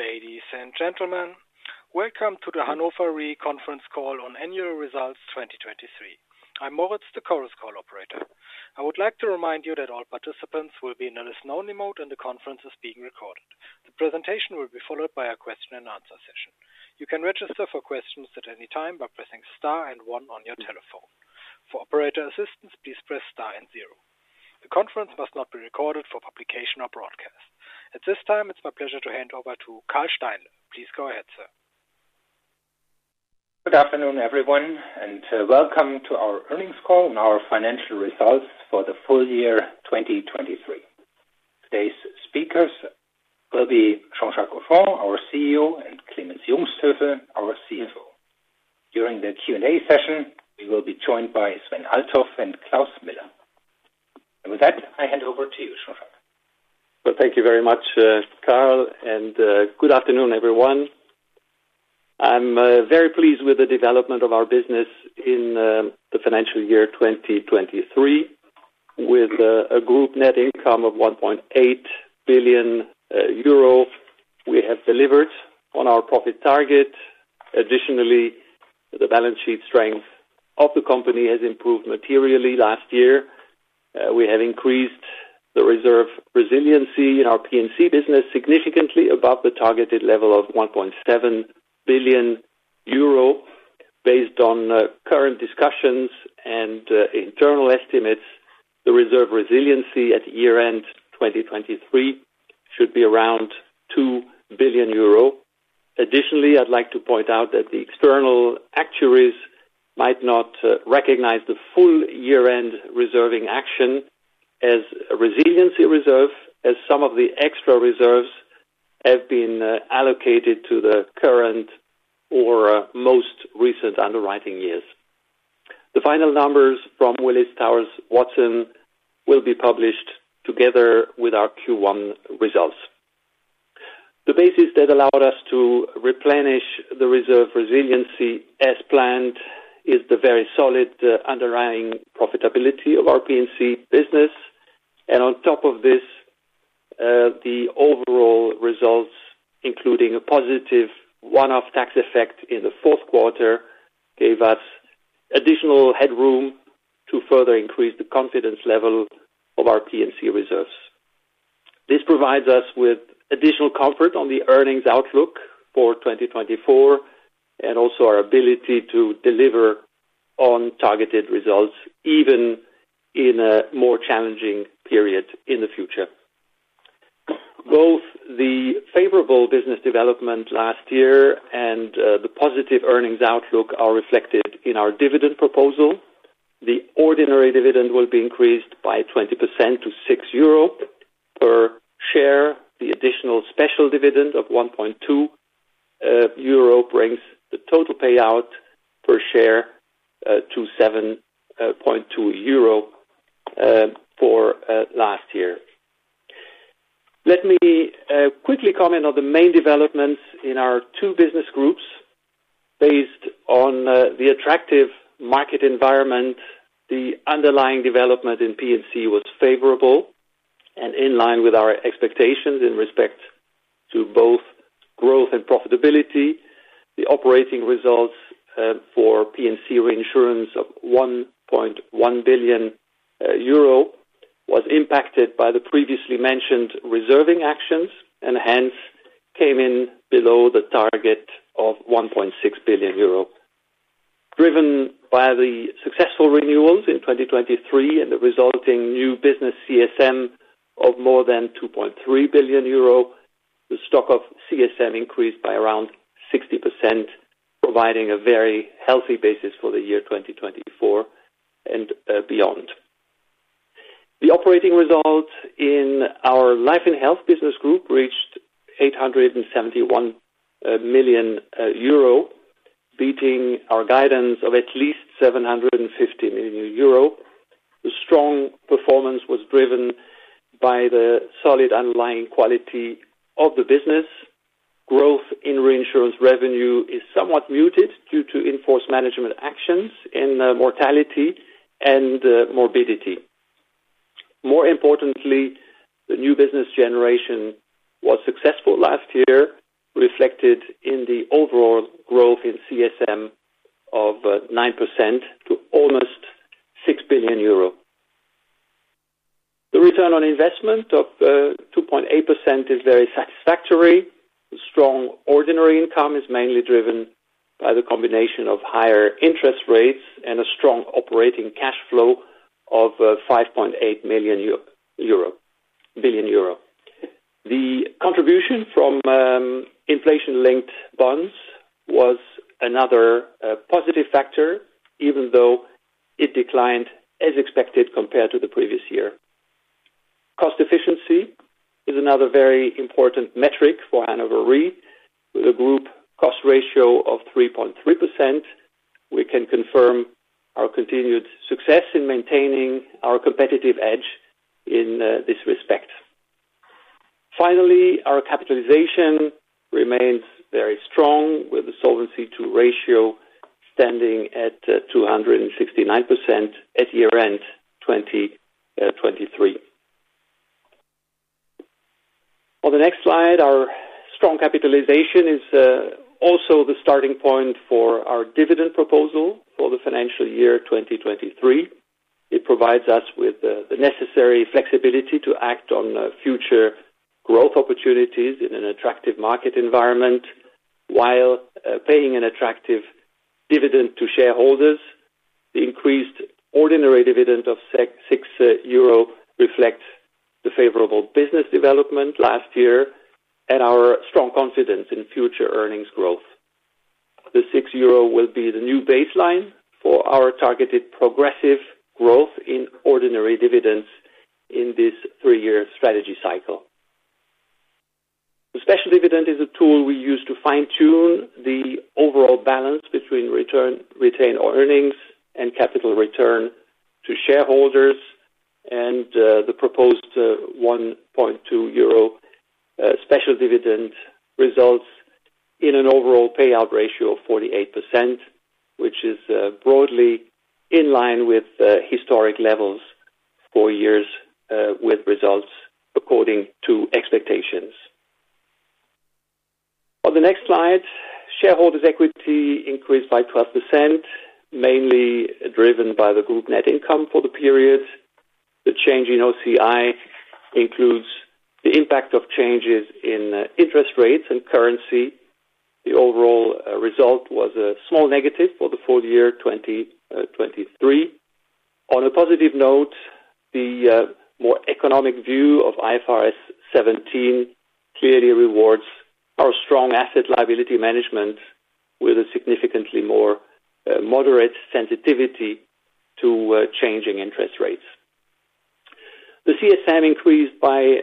Ladies and gentlemen, welcome to the Hannover Re conference call on annual results 2023. I'm Moritz, the Chorus Call operator. I would like to remind you that all participants will be in a listen-only mode and the conference is being recorded. The presentation will be followed by a question-and-answer session. You can register for questions at any time by pressing star and 1 on your telephone. For operator assistance, please press star and 0. The conference must not be recorded for publication or broadcast. At this time, it's my pleasure to hand over to Karl Steinle. Please go ahead, sir. Good afternoon, everyone, and welcome to our earnings call on our financial results for the full year 2023. Today's speakers will be Jean-Jacques Henchoz, our CEO, and Clemens Jungsthöfel, our CFO. During the Q&A session, we will be joined by Sven Althoff and Klaus Miller. With that, I hand over to you, Jean-Jacques. Well, thank you very much, Karl, and good afternoon, everyone. I'm very pleased with the development of our business in the financial year 2023. With a group net income of 1.8 billion euro, we have delivered on our profit target. Additionally, the balance sheet strength of the company has improved materially last year. We have increased the reserve resiliency in our P&C business significantly above the targeted level of 1.7 billion euro. Based on current discussions and internal estimates, the reserve resiliency at year-end 2023 should be around 2 billion euro. Additionally, I'd like to point out that the external actuaries might not recognize the full year-end reserving action as a resiliency reserve as some of the extra reserves have been allocated to the current or most recent underwriting years. The final numbers from Willis Towers Watson will be published together with our Q1 results. The basis that allowed us to replenish the reserve resiliency as planned is the very solid underlying profitability of our P&C business. On top of this, the overall results, including a positive one-off tax effect in the fourth quarter, gave us additional headroom to further increase the confidence level of our P&C reserves. This provides us with additional comfort on the earnings outlook for 2024 and also our ability to deliver on targeted results even in a more challenging period in the future. Both the favorable business development last year and the positive earnings outlook are reflected in our dividend proposal. The ordinary dividend will be increased by 20% to 6 euro per share. The additional special dividend of 1.2 euro brings the total payout per share to 7.2 euro for last year. Let me quickly comment on the main developments in our two business groups. Based on the attractive market environment, the underlying development in P&C was favorable and in line with our expectations in respect to both growth and profitability. The operating results for P&C reinsurance of 1.1 billion euro were impacted by the previously mentioned reserving actions and hence came in below the target of 1.6 billion euro. Driven by the successful renewals in 2023 and the resulting new business CSM of more than 2.3 billion euro, the stock of CSM increased by around 60%, providing a very healthy basis for the year 2024 and beyond. The operating results in our life and health business group reached 871 million euro, beating our guidance of at least 750 million euro. The strong performance was driven by the solid underlying quality of the business. Growth in reinsurance revenue is somewhat muted due to in-force management actions in mortality and morbidity. More importantly, the new business generation was successful last year, reflected in the overall growth in CSM of 9% to almost 6 billion euro. The return on investment of 2.8% is very satisfactory. The strong ordinary income is mainly driven by the combination of higher interest rates and a strong operating cash flow of 5.8 billion euro. The contribution from inflation-linked bonds was another positive factor, even though it declined as expected compared to the previous year. Cost efficiency is another very important metric for Hannover Re, with a group cost ratio of 3.3%. We can confirm our continued success in maintaining our competitive edge in this respect. Finally, our capitalization remains very strong, with the solvency ratio standing at 269% at year-end 2023. On the next slide, our strong capitalization is also the starting point for our dividend proposal for the financial year 2023. It provides us with the necessary flexibility to act on future growth opportunities in an attractive market environment. While paying an attractive dividend to shareholders, the increased ordinary dividend of 6 euro reflects the favorable business development last year and our strong confidence in future earnings growth. The 6 euro will be the new baseline for our targeted progressive growth in ordinary dividends in this three-year strategy cycle. The special dividend is a tool we use to fine-tune the overall balance between retained earnings and capital return to shareholders. The proposed 1.2 euro special dividend results in an overall payout ratio of 48%, which is broadly in line with historic levels for years with results according to expectations. On the next slide, shareholders' equity increased by 12%, mainly driven by the group net income for the period. The change in OCI includes the impact of changes in interest rates and currency. The overall result was a small negative for the full year 2023. On a positive note, the more economic view of IFRS 17 clearly rewards our strong asset liability management with a significantly more moderate sensitivity to changing interest rates. The CSM increased by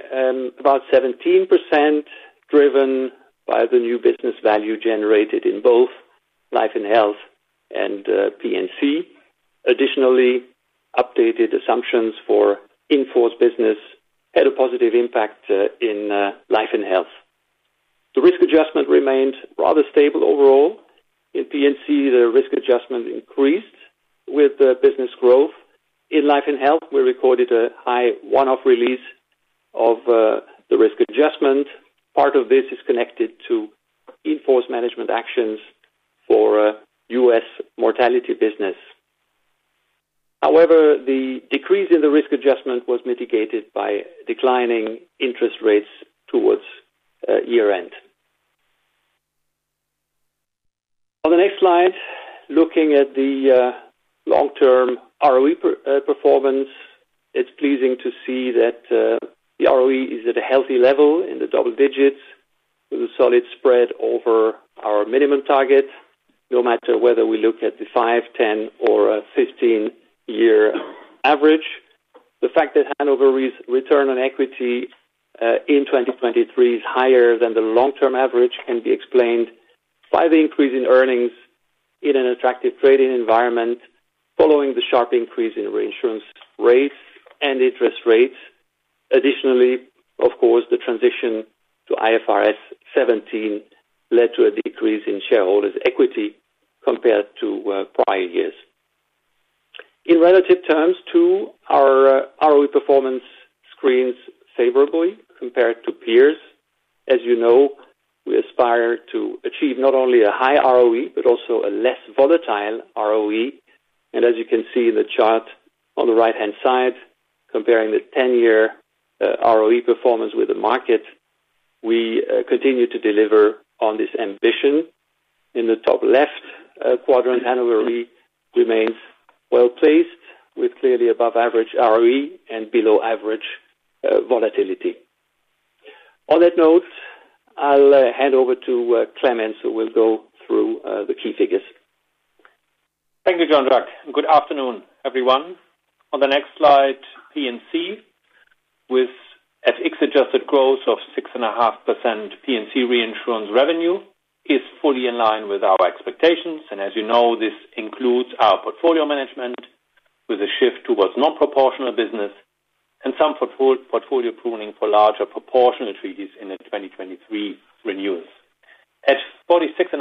about 17%, driven by the new business value generated in both life and health and P&C. Additionally, updated assumptions for in-force business had a positive impact in life and health. The risk adjustment remained rather stable overall. In P&C, the risk adjustment increased with business growth. In life and health, we recorded a high one-off release of the risk adjustment. Part of this is connected to in-force management actions for U.S. mortality business. However, the decrease in the risk adjustment was mitigated by declining interest rates towards year-end. On the next slide, looking at the long-term ROE performance, it's pleasing to see that the ROE is at a healthy level in the double digits, with a solid spread over our minimum target, no matter whether we look at the 5, 10, or 15-year average. The fact that Hannover Re's return on equity in 2023 is higher than the long-term average can be explained by the increase in earnings in an attractive trading environment following the sharp increase in reinsurance rates and interest rates. Additionally, of course, the transition to IFRS 17 led to a decrease in shareholders' equity compared to prior years. In relative terms, too, our ROE performance screens favorably compared to peers. As you know, we aspire to achieve not only a high ROE but also a less volatile ROE. And as you can see in the chart on the right-hand side, comparing the 10-year ROE performance with the market, we continue to deliver on this ambition. In the top left quadrant, Hannover Re remains well-placed with clearly above-average ROE and below-average volatility. On that note, I'll hand over to Clemens, who will go through the key figures. Thank you, Jean-Jacques. Good afternoon, everyone. On the next slide, P&C, with FX-adjusted growth of 6.5%, P&C reinsurance revenue is fully in line with our expectations. And as you know, this includes our portfolio management with a shift towards non-proportional business and some portfolio pruning for larger proportional treaties in the 2023 renewals. At 46.5%,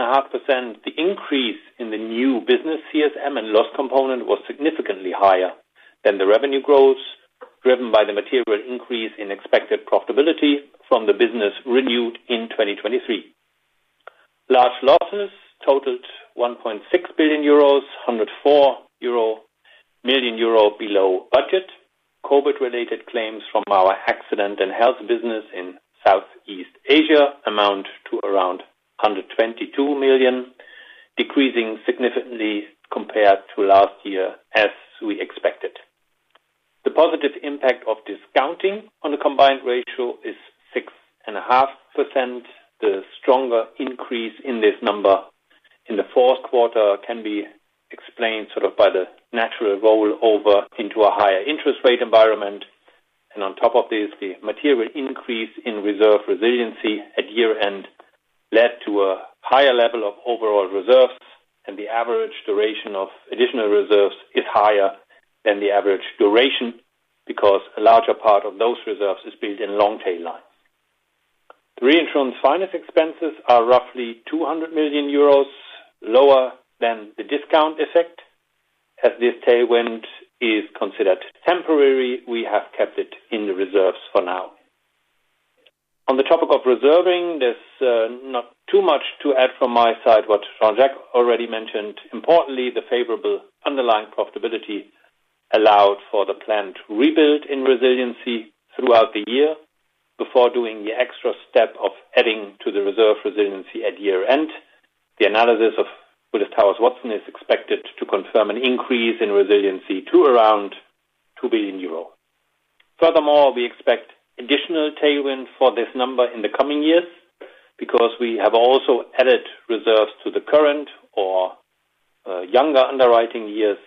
the increase in the new business CSM and loss component was significantly higher than the revenue growth driven by the material increase in expected profitability from the business renewed in 2023. Large losses totaled 1.6 billion euros, 104 million euro below budget. COVID-related claims from our accident and health business in Southeast Asia amount to around 122 million, decreasing significantly compared to last year as we expected. The positive impact of discounting on the combined ratio is 6.5%. The stronger increase in this number in the fourth quarter can be explained sort of by the natural roll-over into a higher interest rate environment. On top of this, the material increase in reserve resiliency at year-end led to a higher level of overall reserves. The average duration of additional reserves is higher than the average duration because a larger part of those reserves is built in long tail lines. The reinsurance finance expenses are roughly 200 million euros lower than the discount effect. As this tailwind is considered temporary, we have kept it in the reserves for now. On the topic of reserving, there's not too much to add from my side, what Jean-Jacques already mentioned. Importantly, the favorable underlying profitability allowed for the planned rebuild in resiliency throughout the year before doing the extra step of adding to the reserve resiliency at year-end. The analysis of Willis Towers Watson is expected to confirm an increase in resiliency to around 2 billion euro. Furthermore, we expect additional tailwind for this number in the coming years because we have also added reserves to the current or younger underwriting years.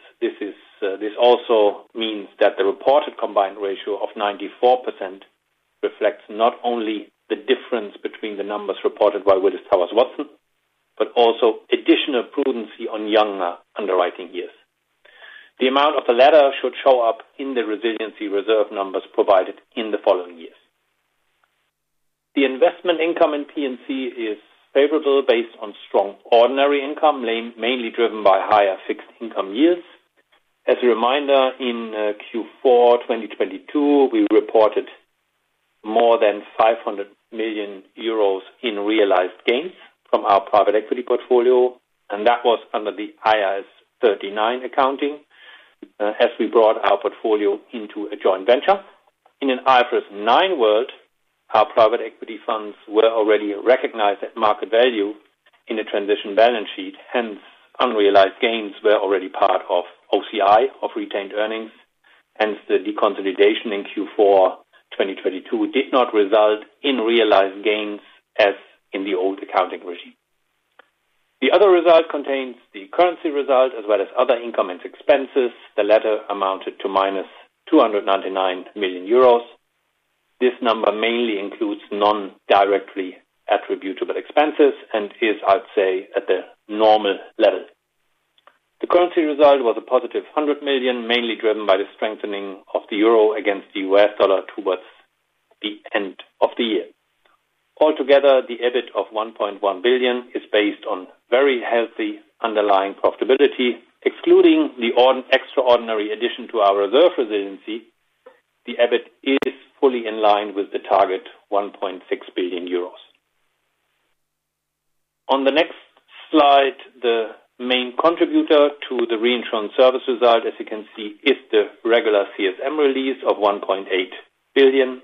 This also means that the reported combined ratio of 94% reflects not only the difference between the numbers reported by Willis Towers Watson but also additional prudence on younger underwriting years. The amount of the latter should show up in the resiliency reserve numbers provided in the following years. The investment income in P&C is favorable based on strong ordinary income, mainly driven by higher fixed income yields. As a reminder, in Q4 2022, we reported more than 500 million euros in realized gains from our private equity portfolio. That was under the IAS 39 accounting as we brought our portfolio into a joint venture. In an IFRS 9 world, our private equity funds were already recognized at market value in the transition balance sheet. Hence, unrealized gains were already part of OCI of retained earnings. Hence, the deconsolidation in Q4 2022 did not result in realized gains as in the old accounting regime. The other result contains the currency result as well as other income and expenses. The latter amounted to -299 million euros. This number mainly includes non-directly attributable expenses and is, I'd say, at the normal level. The currency result was a positive 100 million, mainly driven by the strengthening of the euro against the US dollar towards the end of the year. Altogether, the EBIT of 1.1 billion is based on very healthy underlying profitability. Excluding the extraordinary addition to our reserve resiliency, the EBIT is fully in line with the target 1.6 billion euros. On the next slide, the main contributor to the reinsurance service result, as you can see, is the regular CSM release of 1.8 billion.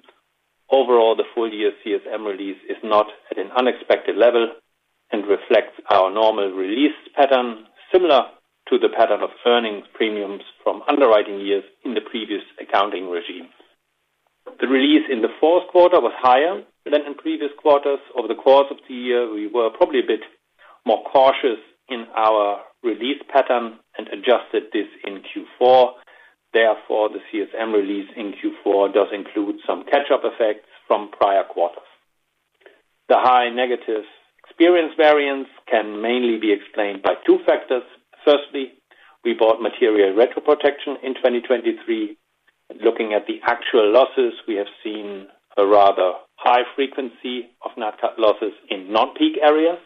Overall, the full-year CSM release is not at an unexpected level and reflects our normal release pattern, similar to the pattern of earnings premiums from underwriting years in the previous accounting regime. The release in the fourth quarter was higher than in previous quarters. Over the course of the year, we were probably a bit more cautious in our release pattern and adjusted this in Q4. Therefore, the CSM release in Q4 does include some catch-up effects from prior quarters. The high negative experience variance can mainly be explained by two factors. Firstly, we bought material retro protection in 2023. Looking at the actual losses, we have seen a rather high frequency of Nat Cat losses in non-peak areas,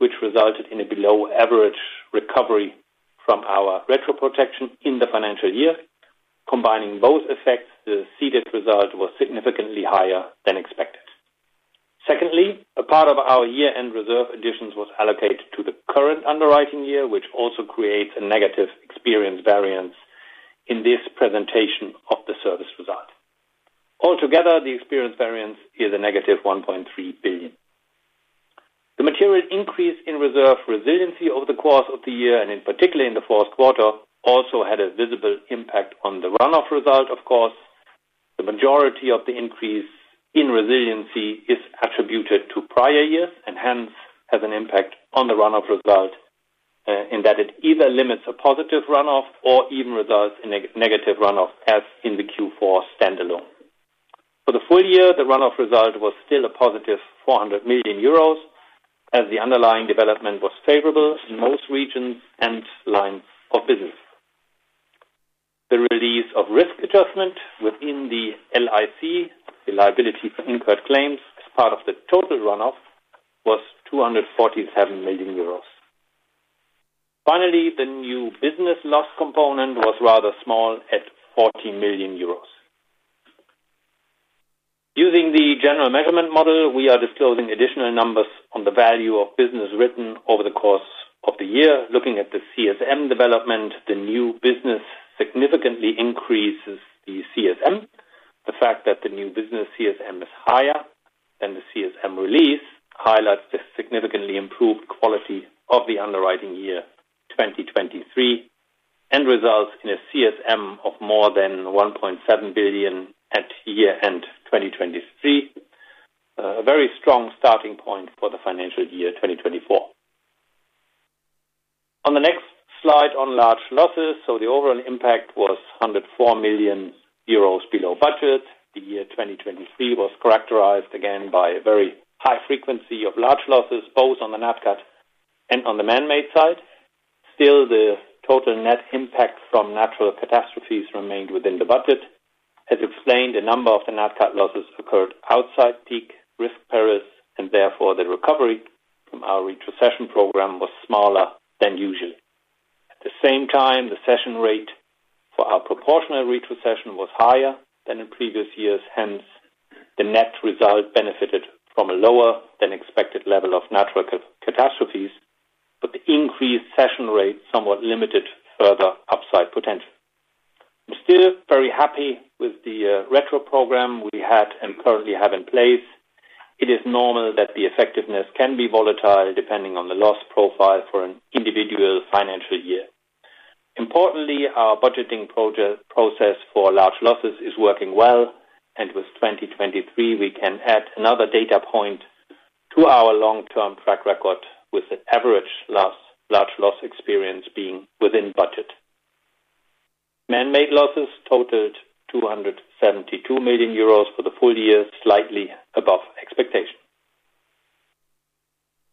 which resulted in a below-average recovery from our retro protection in the financial year. Combining both effects, the ceded result was significantly higher than expected. Secondly, a part of our year-end reserve additions was allocated to the current underwriting year, which also creates a negative experience variance in this presentation of the service result. Altogether, the experience variance is a negative 1.3 billion. The material increase in reserve resiliency over the course of the year and in particular in the fourth quarter also had a visible impact on the runoff result, of course. The majority of the increase in resiliency is attributed to prior years and hence has an impact on the runoff result in that it either limits a positive runoff or even results in a negative runoff as in the Q4 standalone. For the full year, the runoff result was still a positive 400 million euros as the underlying development was favorable in most regions and lines of business. The release of risk adjustment within the LIC, the liability for incurred claims as part of the total runoff, was 247 million euros. Finally, the new business loss component was rather small at 40 million euros. Using the general measurement model, we are disclosing additional numbers on the value of business written over the course of the year. Looking at the CSM development, the new business significantly increases the CSM. The fact that the new business CSM is higher than the CSM release highlights the significantly improved quality of the underwriting year 2023 and results in a CSM of more than 1.7 billion at year-end 2023, a very strong starting point for the financial year 2024. On the next slide on large losses, so the overall impact was 104 million euros below budget. The year 2023 was characterized again by a very high frequency of large losses both on the Nat Cat and on the man-made side. Still, the total net impact from natural catastrophes remained within the budget. As explained, a number of the Nat Cat losses occurred outside peak risk perils and therefore the recovery from our retrocession program was smaller than usual. At the same time, the cession rate for our proportional retrocession was higher than in previous years. Hence, the net result benefited from a lower than expected level of natural catastrophes but the increased cession rate somewhat limited further upside potential. I'm still very happy with the retro program we had and currently have in place. It is normal that the effectiveness can be volatile depending on the loss profile for an individual financial year. Importantly, our budgeting process for large losses is working well. With 2023, we can add another data point to our long-term track record with the average large loss experience being within budget. Man-made losses totaled 272 million euros for the full year, slightly above expectation.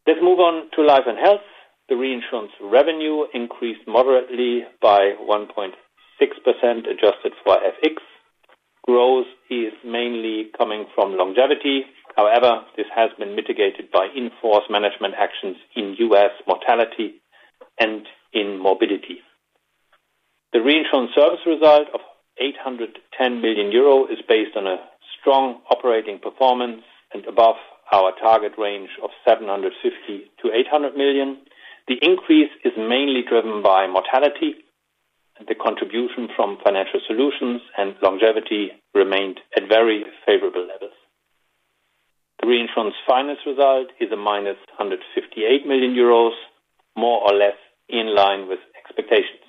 Let's move on to life and health. The reinsurance revenue increased moderately by 1.6% adjusted for FX. Growth is mainly coming from longevity. However, this has been mitigated by in-force management actions in US mortality and in morbidity. The reinsurance service result of 810 million euro is based on a strong operating performance and above our target range of 750 million-800 million. The increase is mainly driven by mortality and the contribution from financial solutions and longevity remained at very favorable levels. The reinsurance finance result is -158 million euros, more or less in line with expectations.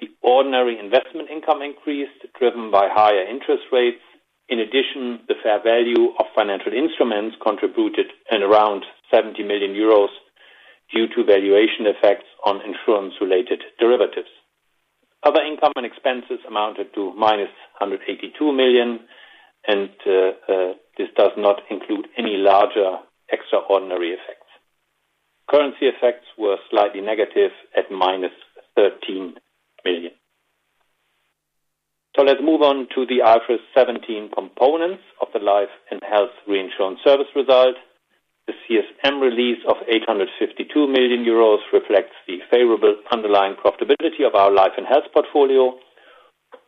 The ordinary investment income increased driven by higher interest rates. In addition, the fair value of financial instruments contributed around 70 million euros due to valuation effects on insurance-related derivatives. Other income and expenses amounted to -182 million. And this does not include any larger extraordinary effects. Currency effects were slightly negative at -13 million. So let's move on to the IFRS 17 components of the life and health reinsurance service result. The CSM release of 852 million euros reflects the favorable underlying profitability of our life and health portfolio.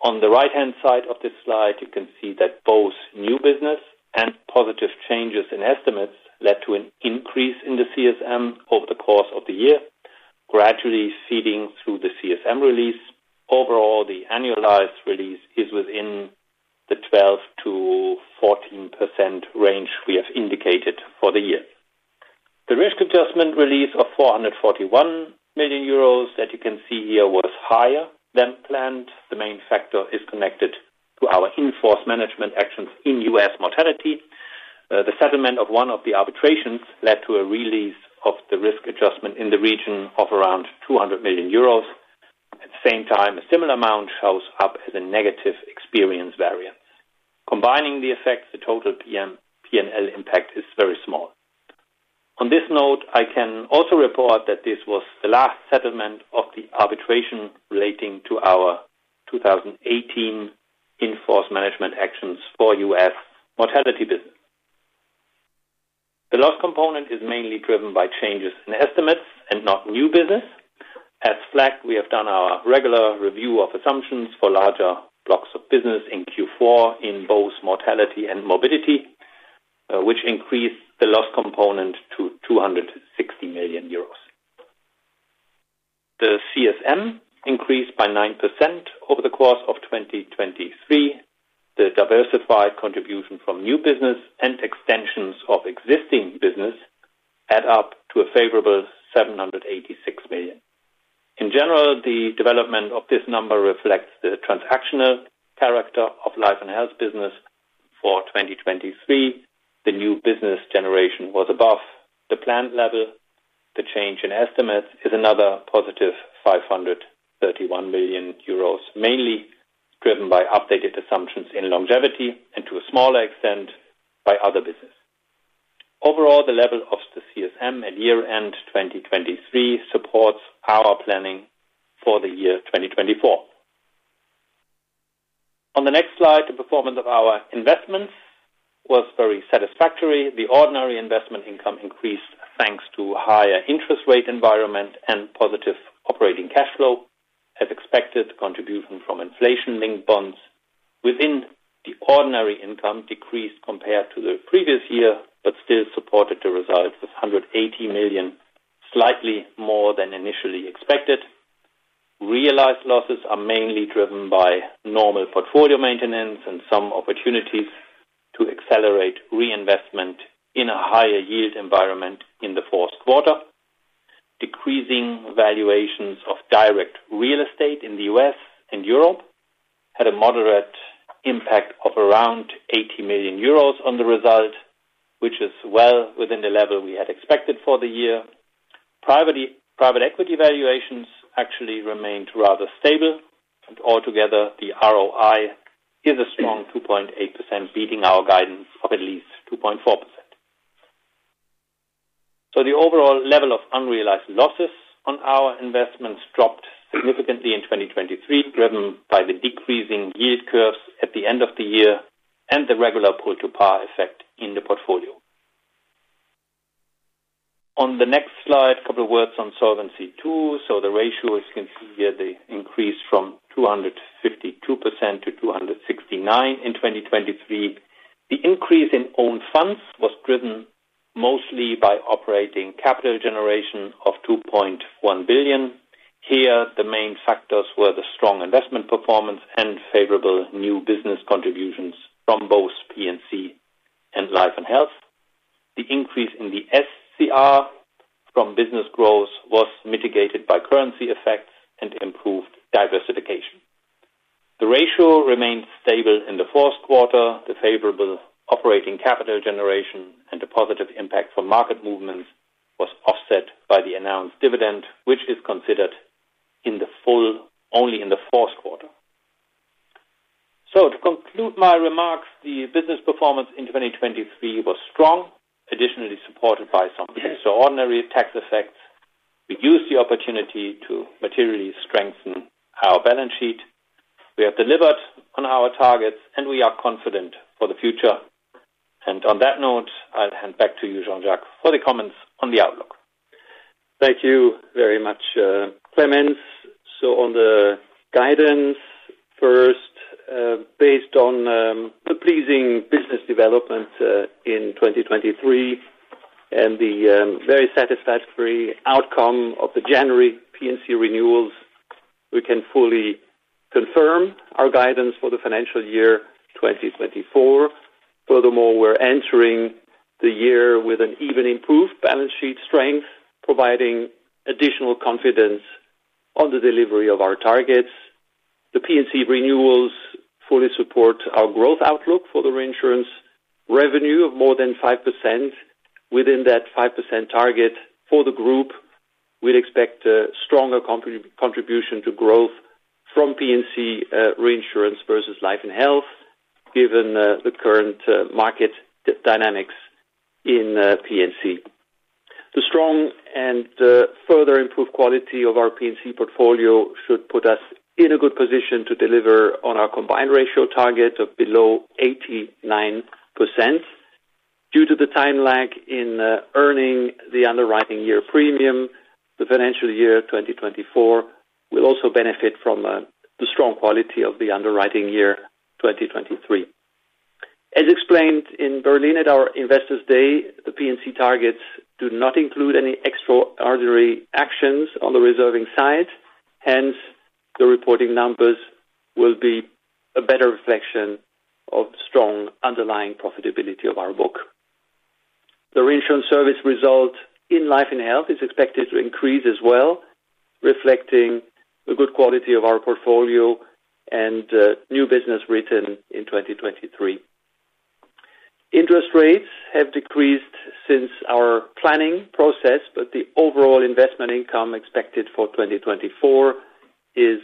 On the right-hand side of this slide, you can see that both new business and positive changes in estimates led to an increase in the CSM over the course of the year, gradually feeding through the CSM release. Overall, the annualized release is within the 12%-14% range we have indicated for the year. The risk adjustment release of 441 million euros that you can see here was higher than planned. The main factor is connected to our in-force management actions in US mortality. The settlement of one of the arbitrations led to a release of the risk adjustment in the region of around 200 million euros. At the same time, a similar amount shows up as a negative experience variance. Combining the effects, the total P&L impact is very small. On this note, I can also report that this was the last settlement of the arbitration relating to our 2018 enforced management actions for US mortality business. The loss component is mainly driven by changes in estimates and not new business. As such, we have done our regular review of assumptions for larger blocks of business in Q4 in both mortality and morbidity, which increased the loss component to 260 million euros. The CSM increased by 9% over the course of 2023. The diversified contribution from new business and extensions of existing business add up to a favorable 786 million. In general, the development of this number reflects the transactional character of life and health business for 2023. The new business generation was above the planned level. The change in estimates is another positive 531 million euros, mainly driven by updated assumptions in longevity and to a smaller extent by other business. Overall, the level of the CSM at year-end 2023 supports our planning for the year 2024. On the next slide, the performance of our investments was very satisfactory. The ordinary investment income increased thanks to higher interest rate environment and positive operating cash flow. As expected, contribution from inflation-linked bonds within the ordinary income decreased compared to the previous year but still supported the results of 180 million, slightly more than initially expected. Realized losses are mainly driven by normal portfolio maintenance and some opportunities to accelerate reinvestment in a higher yield environment in the fourth quarter. Decreasing valuations of direct real estate in the US and Europe had a moderate impact of around 80 million euros on the result, which is well within the level we had expected for the year. Private equity valuations actually remained rather stable. Altogether, the ROI is a strong 2.8% beating our guidance of at least 2.4%. The overall level of unrealized losses on our investments dropped significantly in 2023 driven by the decreasing yield curves at the end of the year and the regular pull-to-par effect in the portfolio. On the next slide, a couple of words on solvency too. The ratio, as you can see here, the increase from 252%-269% in 2023. The increase in own funds was driven mostly by operating capital generation of 2.1 billion. Here, the main factors were the strong investment performance and favorable new business contributions from both P&C and life and health. The increase in the SCR from business growth was mitigated by currency effects and improved diversification. The ratio remained stable in the fourth quarter. The favorable operating capital generation and the positive impact from market movements was offset by the announced dividend, which is considered only in the fourth quarter. So to conclude my remarks, the business performance in 2023 was strong, additionally supported by some extraordinary tax effects. We used the opportunity to materially strengthen our balance sheet. We have delivered on our targets, and we are confident for the future. And on that note, I'll hand back to you, Jean-Jacques, for the comments on the outlook. Thank you very much, Clemens. So on the guidance first, based on the pleasing business development in 2023 and the very satisfactory outcome of the January P&C renewals, we can fully confirm our guidance for the financial year 2024. Furthermore, we're entering the year with an even improved balance sheet strength, providing additional confidence on the delivery of our targets. The P&C renewals fully support our growth outlook for the reinsurance revenue of more than 5%. Within that 5% target for the group, we'd expect a stronger contribution to growth from P&C reinsurance versus life and health given the current market dynamics in P&C. The strong and further improved quality of our P&C portfolio should put us in a good position to deliver on our combined ratio target of below 89%. Due to the time lag in earning the underwriting year premium, the financial year 2024 will also benefit from the strong quality of the underwriting year 2023. As explained in Berlin at our Investors' Day, the P&C targets do not include any extraordinary actions on the reserving side. Hence, the reporting numbers will be a better reflection of strong underlying profitability of our book. The reinsurance service result in life and health is expected to increase as well, reflecting the good quality of our portfolio and new business written in 2023. Interest rates have decreased since our planning process, but the overall investment income expected for 2024 is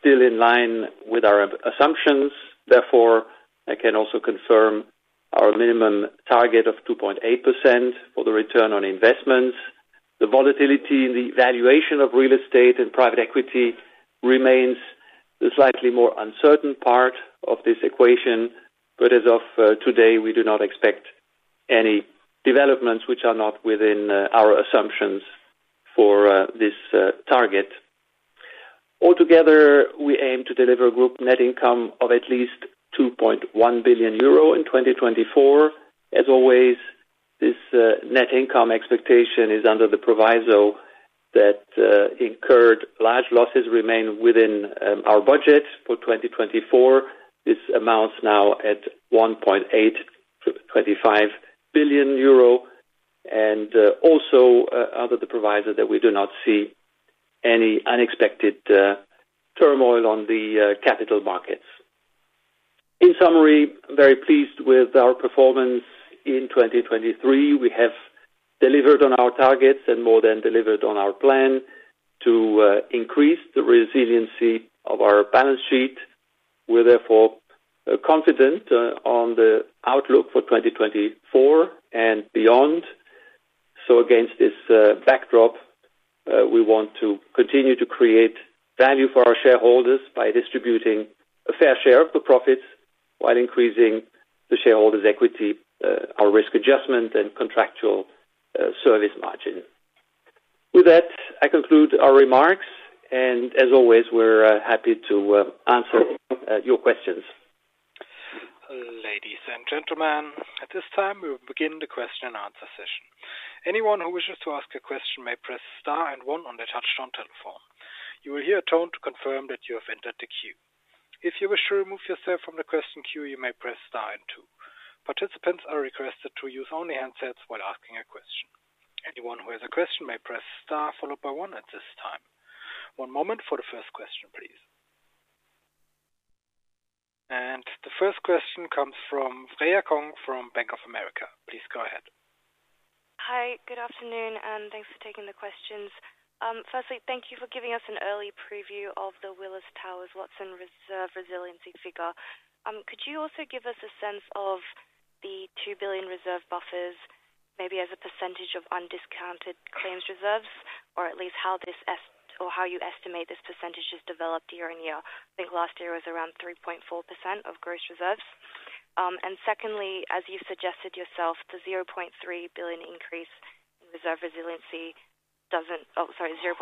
still in line with our assumptions. Therefore, I can also confirm our minimum target of 2.8% for the return on investments. The volatility in the valuation of real estate and private equity remains the slightly more uncertain part of this equation. As of today, we do not expect any developments which are not within our assumptions for this target. Altogether, we aim to deliver a group net income of at least 2.1 billion euro in 2024. As always, this net income expectation is under the proviso that incurred large losses remain within our budget for 2024. This amounts now at 1.825 billion euro. Also under the proviso that we do not see any unexpected turmoil on the capital markets. In summary, very pleased with our performance in 2023. We have delivered on our targets and more than delivered on our plan to increase the resiliency of our balance sheet. We're therefore confident on the outlook for 2024 and beyond. So against this backdrop, we want to continue to create value for our shareholders by distributing a fair share of the profits while increasing the shareholders' equity, our risk adjustment, and contractual service margin. With that, I conclude our remarks. As always, we're happy to answer your questions. Ladies and gentlemen, at this time, we will begin the question and answer session. Anyone who wishes to ask a question may press star and one on the touch-tone telephone. You will hear a tone to confirm that you have entered the queue. If you wish to remove yourself from the question queue, you may press star and two. Participants are requested to use only handsets while asking a question. Anyone who has a question may press star followed by one at this time. One moment for the first question, please. The first question comes from Freya Kong from Bank of America. Please go ahead. Hi. Good afternoon. And thanks for taking the questions. Firstly, thank you for giving us an early preview of the Willis Towers Watson Reserve resiliency figure. Could you also give us a sense of the 2 billion reserve buffers, maybe as a percentage of undiscounted claims reserves, or at least how you estimate this percentage has developed year-over-year? I think last year was around 3.4% of gross reserves. And secondly, as you suggested yourself, the 0.3 billion increase in reserve resiliency doesn't oh, sorry, 0.6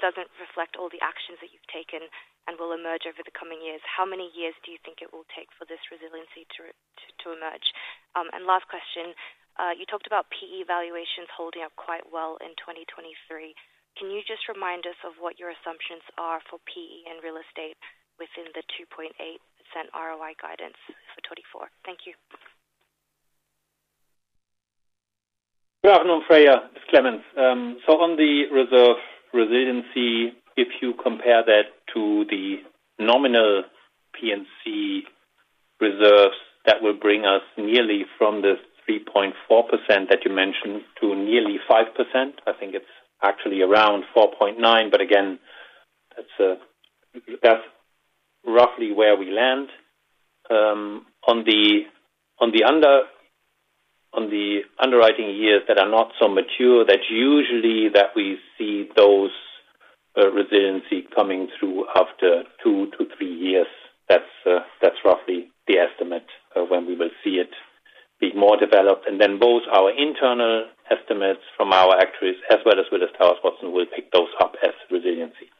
doesn't reflect all the actions that you've taken and will emerge over the coming years. How many years do you think it will take for this resiliency to emerge? And last question. You talked about PE valuations holding up quite well in 2023. Can you just remind us of what your assumptions are for PE and real estate within the 2.8% ROI guidance for 2024? Thank you. Good afternoon, Freya. It's Clemens. So on the reserve resiliency, if you compare that to the nominal P&C reserves that will bring us nearly from the 3.4% that you mentioned to nearly 5%, I think it's actually around 4.9%. But again, that's roughly where we land. On the underwriting years that are not so mature, that's usually that we see those resiliency coming through after two to three years. That's roughly the estimate of when we will see it be more developed. And then both our internal estimates from our actuaries as well as Willis Towers Watson will pick those up as resiliency.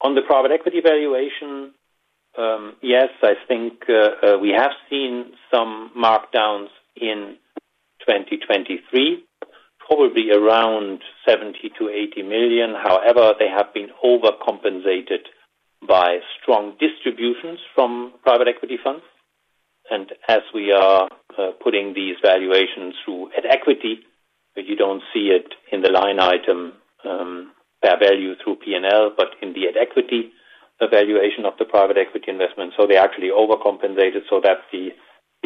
On the private equity valuation, yes, I think we have seen some markdowns in 2023, probably around 70 million-80 million. However, they have been overcompensated by strong distributions from private equity funds. And as we are putting these valuations through at equity, but you don't see it in the line item fair value through P&L, but in the at equity valuation of the private equity investments. So they're actually overcompensated so that the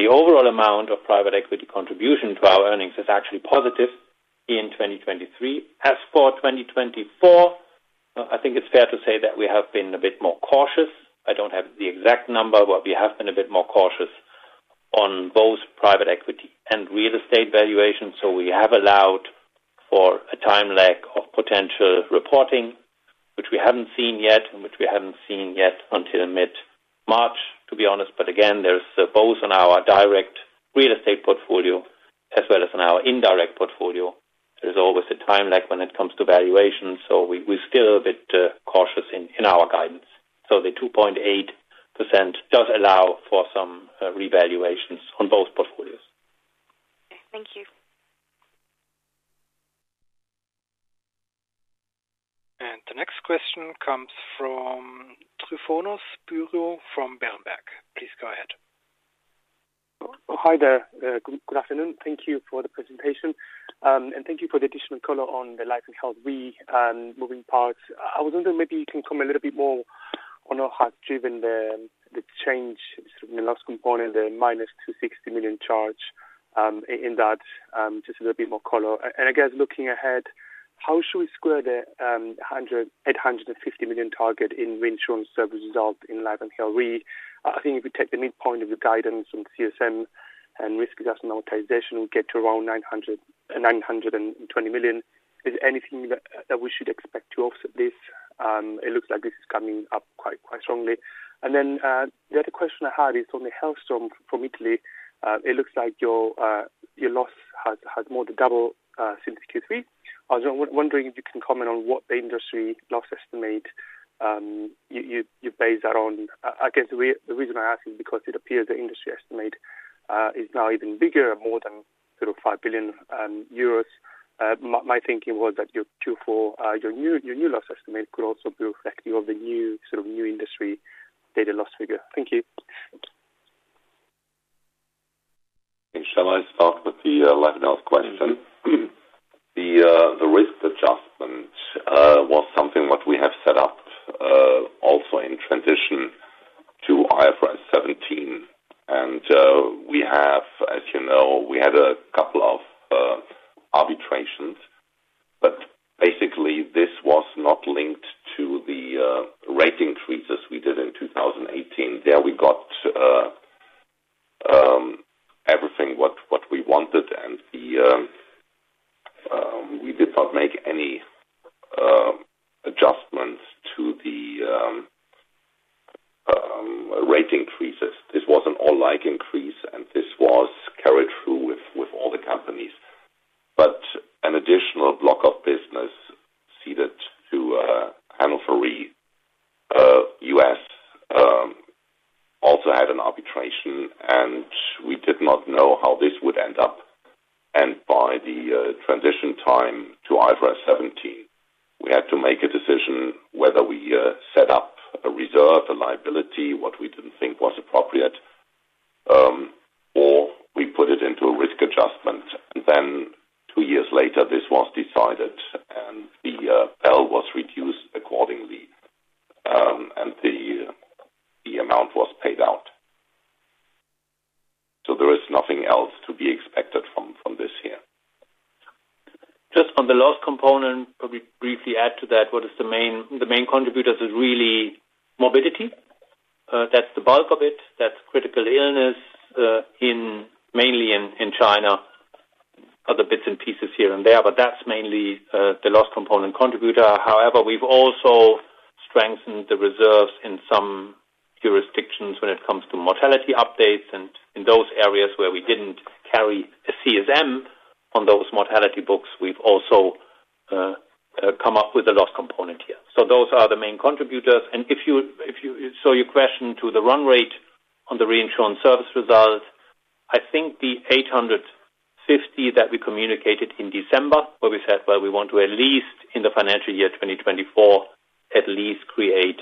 overall amount of private equity contribution to our earnings is actually positive in 2023. As for 2024, I think it's fair to say that we have been a bit more cautious. I don't have the exact number, but we have been a bit more cautious on both private equity and real estate valuations. So we have allowed for a time lag of potential reporting, which we haven't seen yet and which we haven't seen yet until mid-March, to be honest. But again, there's both on our direct real estate portfolio as well as on our indirect portfolio. There's always a time lag when it comes to valuations. So we're still a bit cautious in our guidance. So the 2.8% does allow for some revaluations on both portfolios. Okay. Thank you. And the next question comes from Tryfonas Spyrou from Berenberg. Please go ahead. Hi there. Good afternoon. Thank you for the presentation. And thank you for the additional color on the life and health moving parts. I was wondering maybe you can come a little bit more on how hard-driven the change in the loss component, the -260 million charge in that, just a little bit more color. And I guess looking ahead, how should we square the 850 million target in reinsurance service result in life and health? I think if we take the midpoint of the guidance from CSM and risk adjustment amortization, we get to around 920 million. Is there anything that we should expect to offset this? It looks like this is coming up quite strongly. And then the other question I had is on the hail storm from Italy. It looks like your loss has more than doubled since Q3. I was wondering if you can comment on what the industry loss estimate you base that on. I guess the reason I ask is because it appears the industry estimate is now even bigger, more than sort of 5 billion euros. My thinking was that your new loss estimate could also be reflective of the new industry data loss figure. Thank you Shall I start with the life and health question? The risk adjustment was something what we have set up also in transition to IFRS 17. And as you know, we had a couple of arbitrations. But basically, this was not linked to the rate increases we did in 2018. There, we got everything what we wanted, and we did not make any adjustments to the rate increases. This was an alike increase, and this was carried through with all the companies. But an additional block of business ceded to Hannover Re US also had an arbitration, and we did not know how this would end up. And by the transition time to IFRS 17, we had to make a decision whether we set up a reserve, a liability, what we didn't think was appropriate, or we put it into a risk adjustment. And then two years later, this was decided, and the bill was reduced accordingly, and the amount was paid out. So there is nothing else to be expected from this year. Just on the last component, probably briefly add to that, what is the main contributor is really morbidity. That's the bulk of it. That's critical illness mainly in China, other bits and pieces here and there. But that's mainly the loss component contributor. However, we've also strengthened the reserves in some jurisdictions when it comes to mortality updates. And in those areas where we didn't carry a CSM on those mortality books, we've also come up with a loss component here. So those are the main contributors. And so your question to the run rate on the reinsurance service result, I think the 850 million that we communicated in December where we said, "Well, we want to at least in the financial year 2024, at least create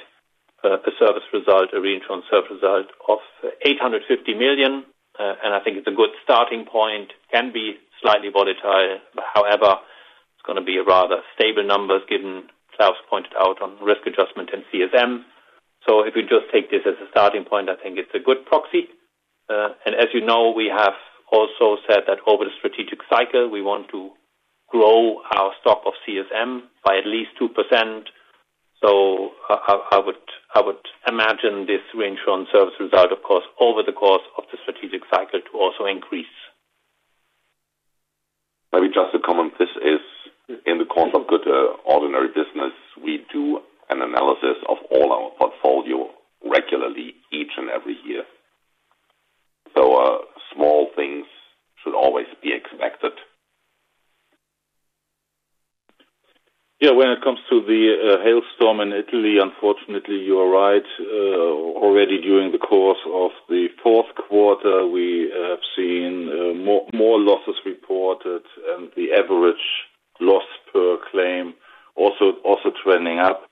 a service result, a reinsurance service result of 850 million." And I think it's a good starting point. Can be slightly volatile. However, it's going to be a rather stable numbers given Klaus pointed out on risk adjustment and CSM. So if we just take this as a starting point, I think it's a good proxy. And as you know, we have also said that over the strategic cycle, we want to grow our stock of CSM by at least 2%. So I would imagine this reinsurance service result, of course, over the course of the strategic cycle to also increase. Maybe just a comment. This is in the course of good ordinary business. We do an analysis of all our portfolio regularly each and every year. So small things should always be expected. Yeah. When it comes to the hailstorm in Italy, unfortunately, you are right. Already during the course of the fourth quarter, we have seen more losses reported and the average loss per claim also trending up.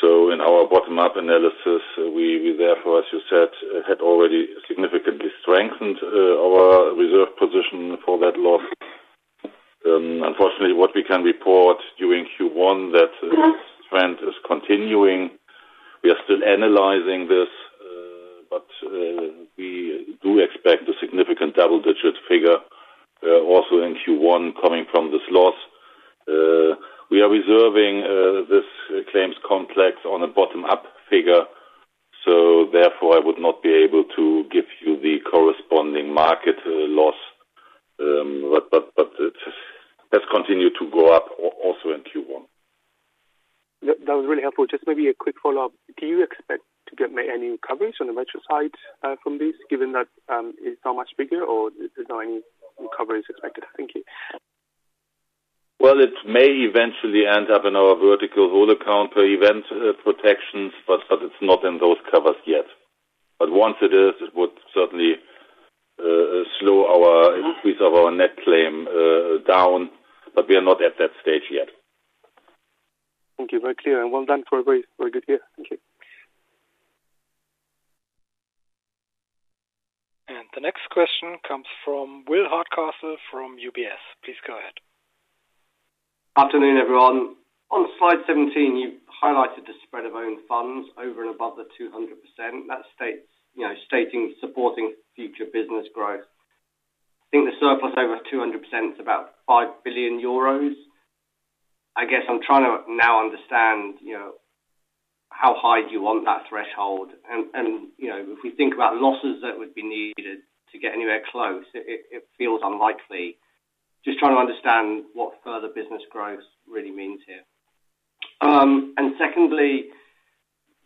So in our bottom-up analysis, we therefore, as you said, had already significantly strengthened our reserve position for that loss. Unfortunately, what we can report during Q1, that trend is continuing. We are still analyzing this, but we do expect a significant double-digit figure also in Q1 coming from this loss. We are reserving this claims complex on a bottom-up figure. So therefore, I would not be able to give you the corresponding market loss. But it has continued to go up also in Q1. That was really helpful. Just maybe a quick follow-up. Do you expect to get any recovery on the retro side from this given that it's so much bigger, or is there any recovery expected? Thank you. Well, it may eventually end up in our vertical whole account per event protections, but it's not in those covers yet. But once it is, it would certainly slow our increase of our net claim down. But we are not at that stage yet. Thank you. Very clear. And well done for a very good year. Thank you. And the next question comes from Will Hardcastle from UBS. Please go ahead. Afternoon, everyone. On slide 17, you highlighted the spread of own funds over and above the 200%. That's stating, supporting future business growth. I think the surplus over 200% is about 5 billion euros. I guess I'm trying to now understand how high do you want that threshold? And if we think about losses that would be needed to get anywhere close, it feels unlikely. Just trying to understand what further business growth really means here. And secondly,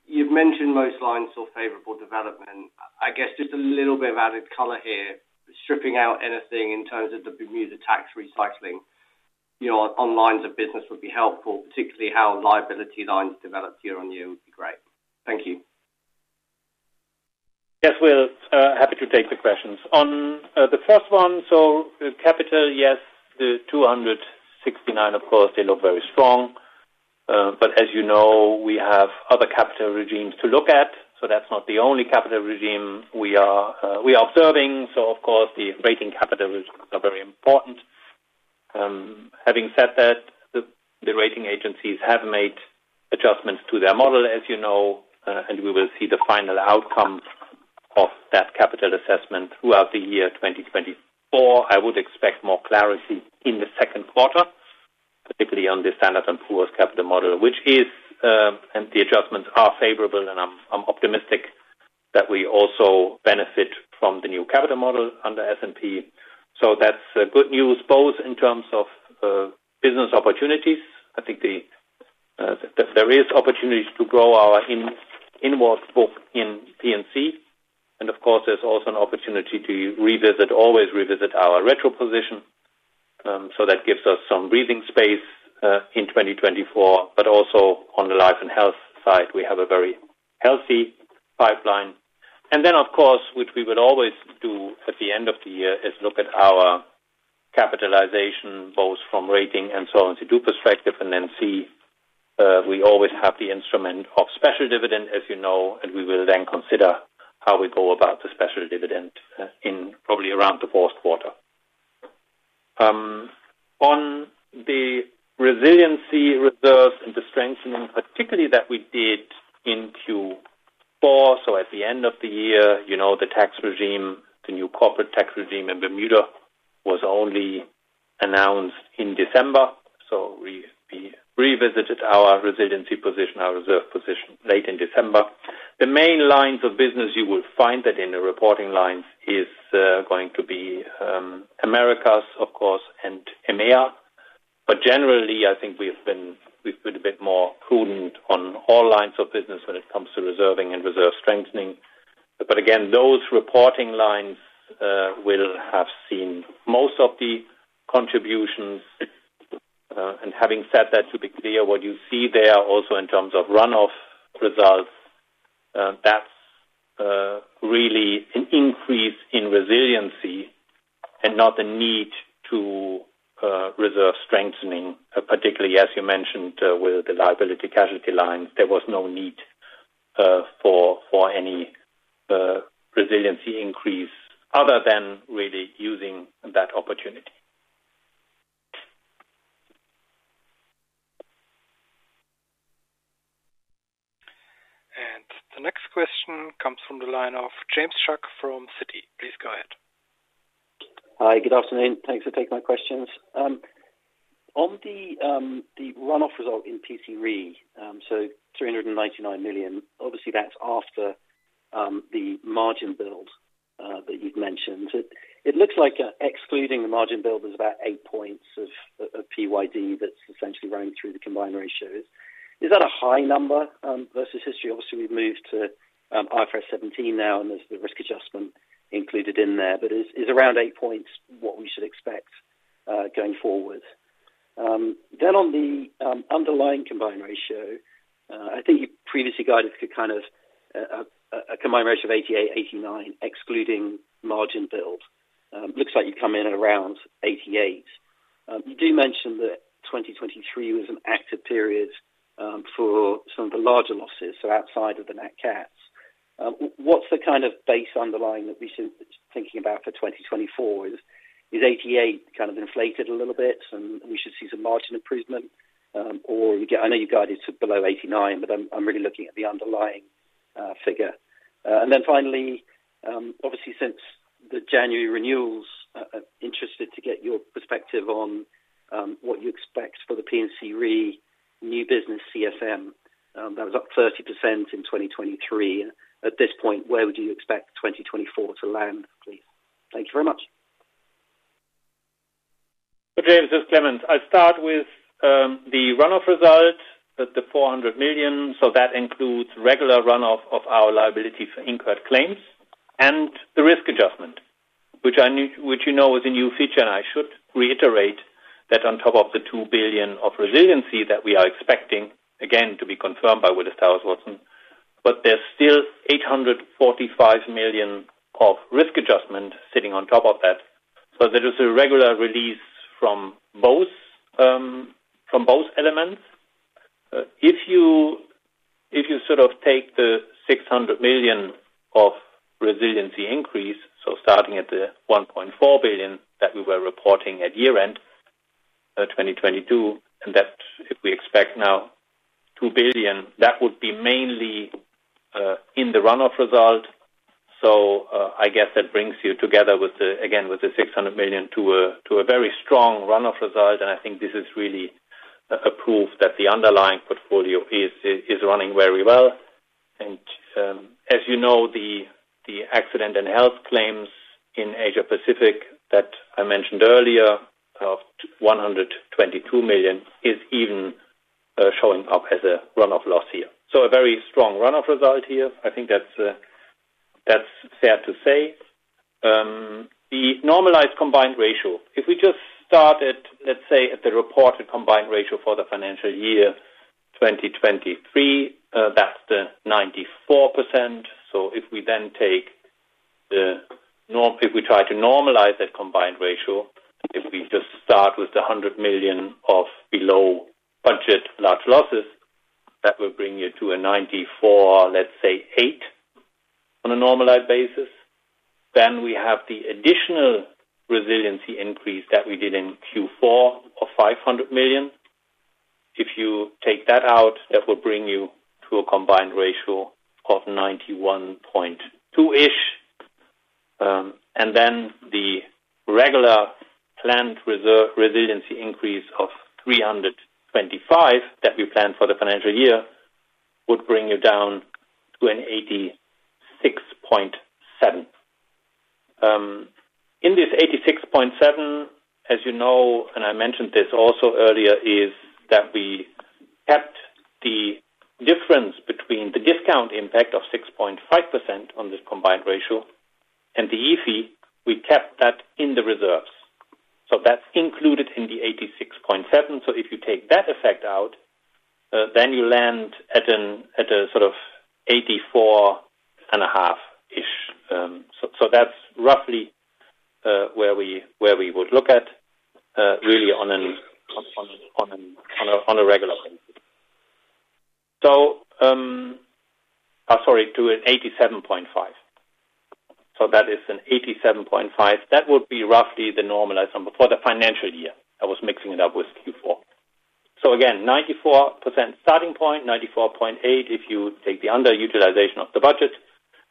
you've mentioned most lines saw favorable development. I guess just a little bit of added color here, stripping out anything in terms of the Bermuda tax recycling on lines of business would be helpful, particularly how liability lines developed year on year would be great. Thank you. Yes. We're happy to take the questions. On the first one, so capital, yes, the 269, of course, they look very strong. But as you know, we have other capital regimes to look at. So that's not the only capital regime we are observing. So, of course, the rating capital regimes are very important. Having said that, the rating agencies have made adjustments to their model, as you know, and we will see the final outcome of that capital assessment throughout the year 2024. I would expect more clarity in the second quarter, particularly on the Standard & Poor's capital model, which is and the adjustments are favorable, and I'm optimistic that we also benefit from the new capital model under S&P. So that's good news both in terms of business opportunities. I think there is opportunity to grow our inwards book in P&C. And of course, there's also an opportunity to always revisit our retro position. So that gives us some breathing space in 2024. But also on the life and health side, we have a very healthy pipeline. And then, of course, which we would always do at the end of the year, is look at our capitalization both from rating and solvency perspective and then see we always have the instrument of special dividend, as you know, and we will then consider how we go about the special dividend in probably around the fourth quarter. On the resiliency reserves and the strengthening, particularly that we did in Q4, so at the end of the year, the tax regime, the new corporate tax regime in Bermuda was only announced in December. So we revisited our resiliency position, our reserve position late in December. The main lines of business you will find that in the reporting lines is going to be Americas, of course, and EMEA. But generally, I think we've been a bit more prudent on all lines of business when it comes to reserving and reserve strengthening. But again, those reporting lines will have seen most of the contributions. And having said that, to be clear, what you see there also in terms of runoff results, that's really an increase in resiliency and not the need to reserve strengthening. Particularly, as you mentioned with the liability casualty lines, there was no need for any resiliency increase other than really using that opportunity. And the next question comes from the line of James Shuck from Citi. Please go ahead. Hi. Good afternoon. Thanks for taking my questions. On the runoff result in PCRE, so 399 million, obviously, that's after the margin build that you've mentioned. It looks like excluding the margin build is about 8 points of PYD that's essentially running through the combined ratios. Is that a high number versus history? Obviously, we've moved to IFRS 17 now, and there's the risk adjustment included in there. But is around 8 points what we should expect going forward? Then on the underlying combined ratio, I think you previously guided kind of a combined ratio of 88%-89% excluding margin build. Looks like you come in at around 88%. You do mention that 2023 was an active period for some of the larger losses, so outside of the Nat Cats. What's the kind of base underlying that we should be thinking about for 2024? Is 88% kind of inflated a little bit, and we should see some margin improvement? Or I know you guided to below 89%, but I'm really looking at the underlying figure. And then finally, obviously, since the January renewals, interested to get your perspective on what you expect for the P&C Re new business CSM. That was up 30% in 2023. At this point, where would you expect 2024 to land, please? Thank you very much. So James, this is Clemens. I'll start with the runoff result at the 400 million. So that includes regular runoff of our liability for incurred claims and the risk adjustment, which you know is a new feature. And I should reiterate that on top of the 2 billion of resiliency that we are expecting, again, to be confirmed by Willis Towers Watson, but there's still 845 million of risk adjustment sitting on top of that. So there is a regular release from both elements. If you sort of take the 600 million of resiliency increase, so starting at the 1.4 billion that we were reporting at year-end 2022, and if we expect now 2 billion, that would be mainly in the runoff result. So I guess that brings you together with, again, with the 600 million to a very strong runoff result. I think this is really a proof that the underlying portfolio is running very well. As you know, the accident and health claims in Asia-Pacific that I mentioned earlier of 122 million is even showing up as a runoff loss here. A very strong runoff result here. I think that's fair to say. The normalized combined ratio, if we just start at, let's say, the reported combined ratio for the financial year 2023, that's the 94%. If we then take if we try to normalize that combined ratio, if we just start with the 100 million of below-budget large losses, that will bring you to a 94.8, let's say, on a normalized basis. Then we have the additional resiliency increase that we did in Q4 of 500 million. If you take that out, that will bring you to a combined ratio of 91.2%-ish. Then the regular planned resiliency increase of 325 that we planned for the financial year would bring you down to an 86.7. In this 86.7, as you know, and I mentioned this also earlier, is that we kept the difference between the discount impact of 6.5% on this combined ratio and the EFI; we kept that in the reserves. That's included in the 86.7. If you take that effect out, then you land at a sort of 84 and half-ish. That's roughly where we would look at, really, on a regular basis. Sorry, to an 87.5. That is an 87.5. That would be roughly the normalized number for the financial year. I was mixing it up with Q4. Again, 94% starting point, 94.8 if you take the underutilization of the budget.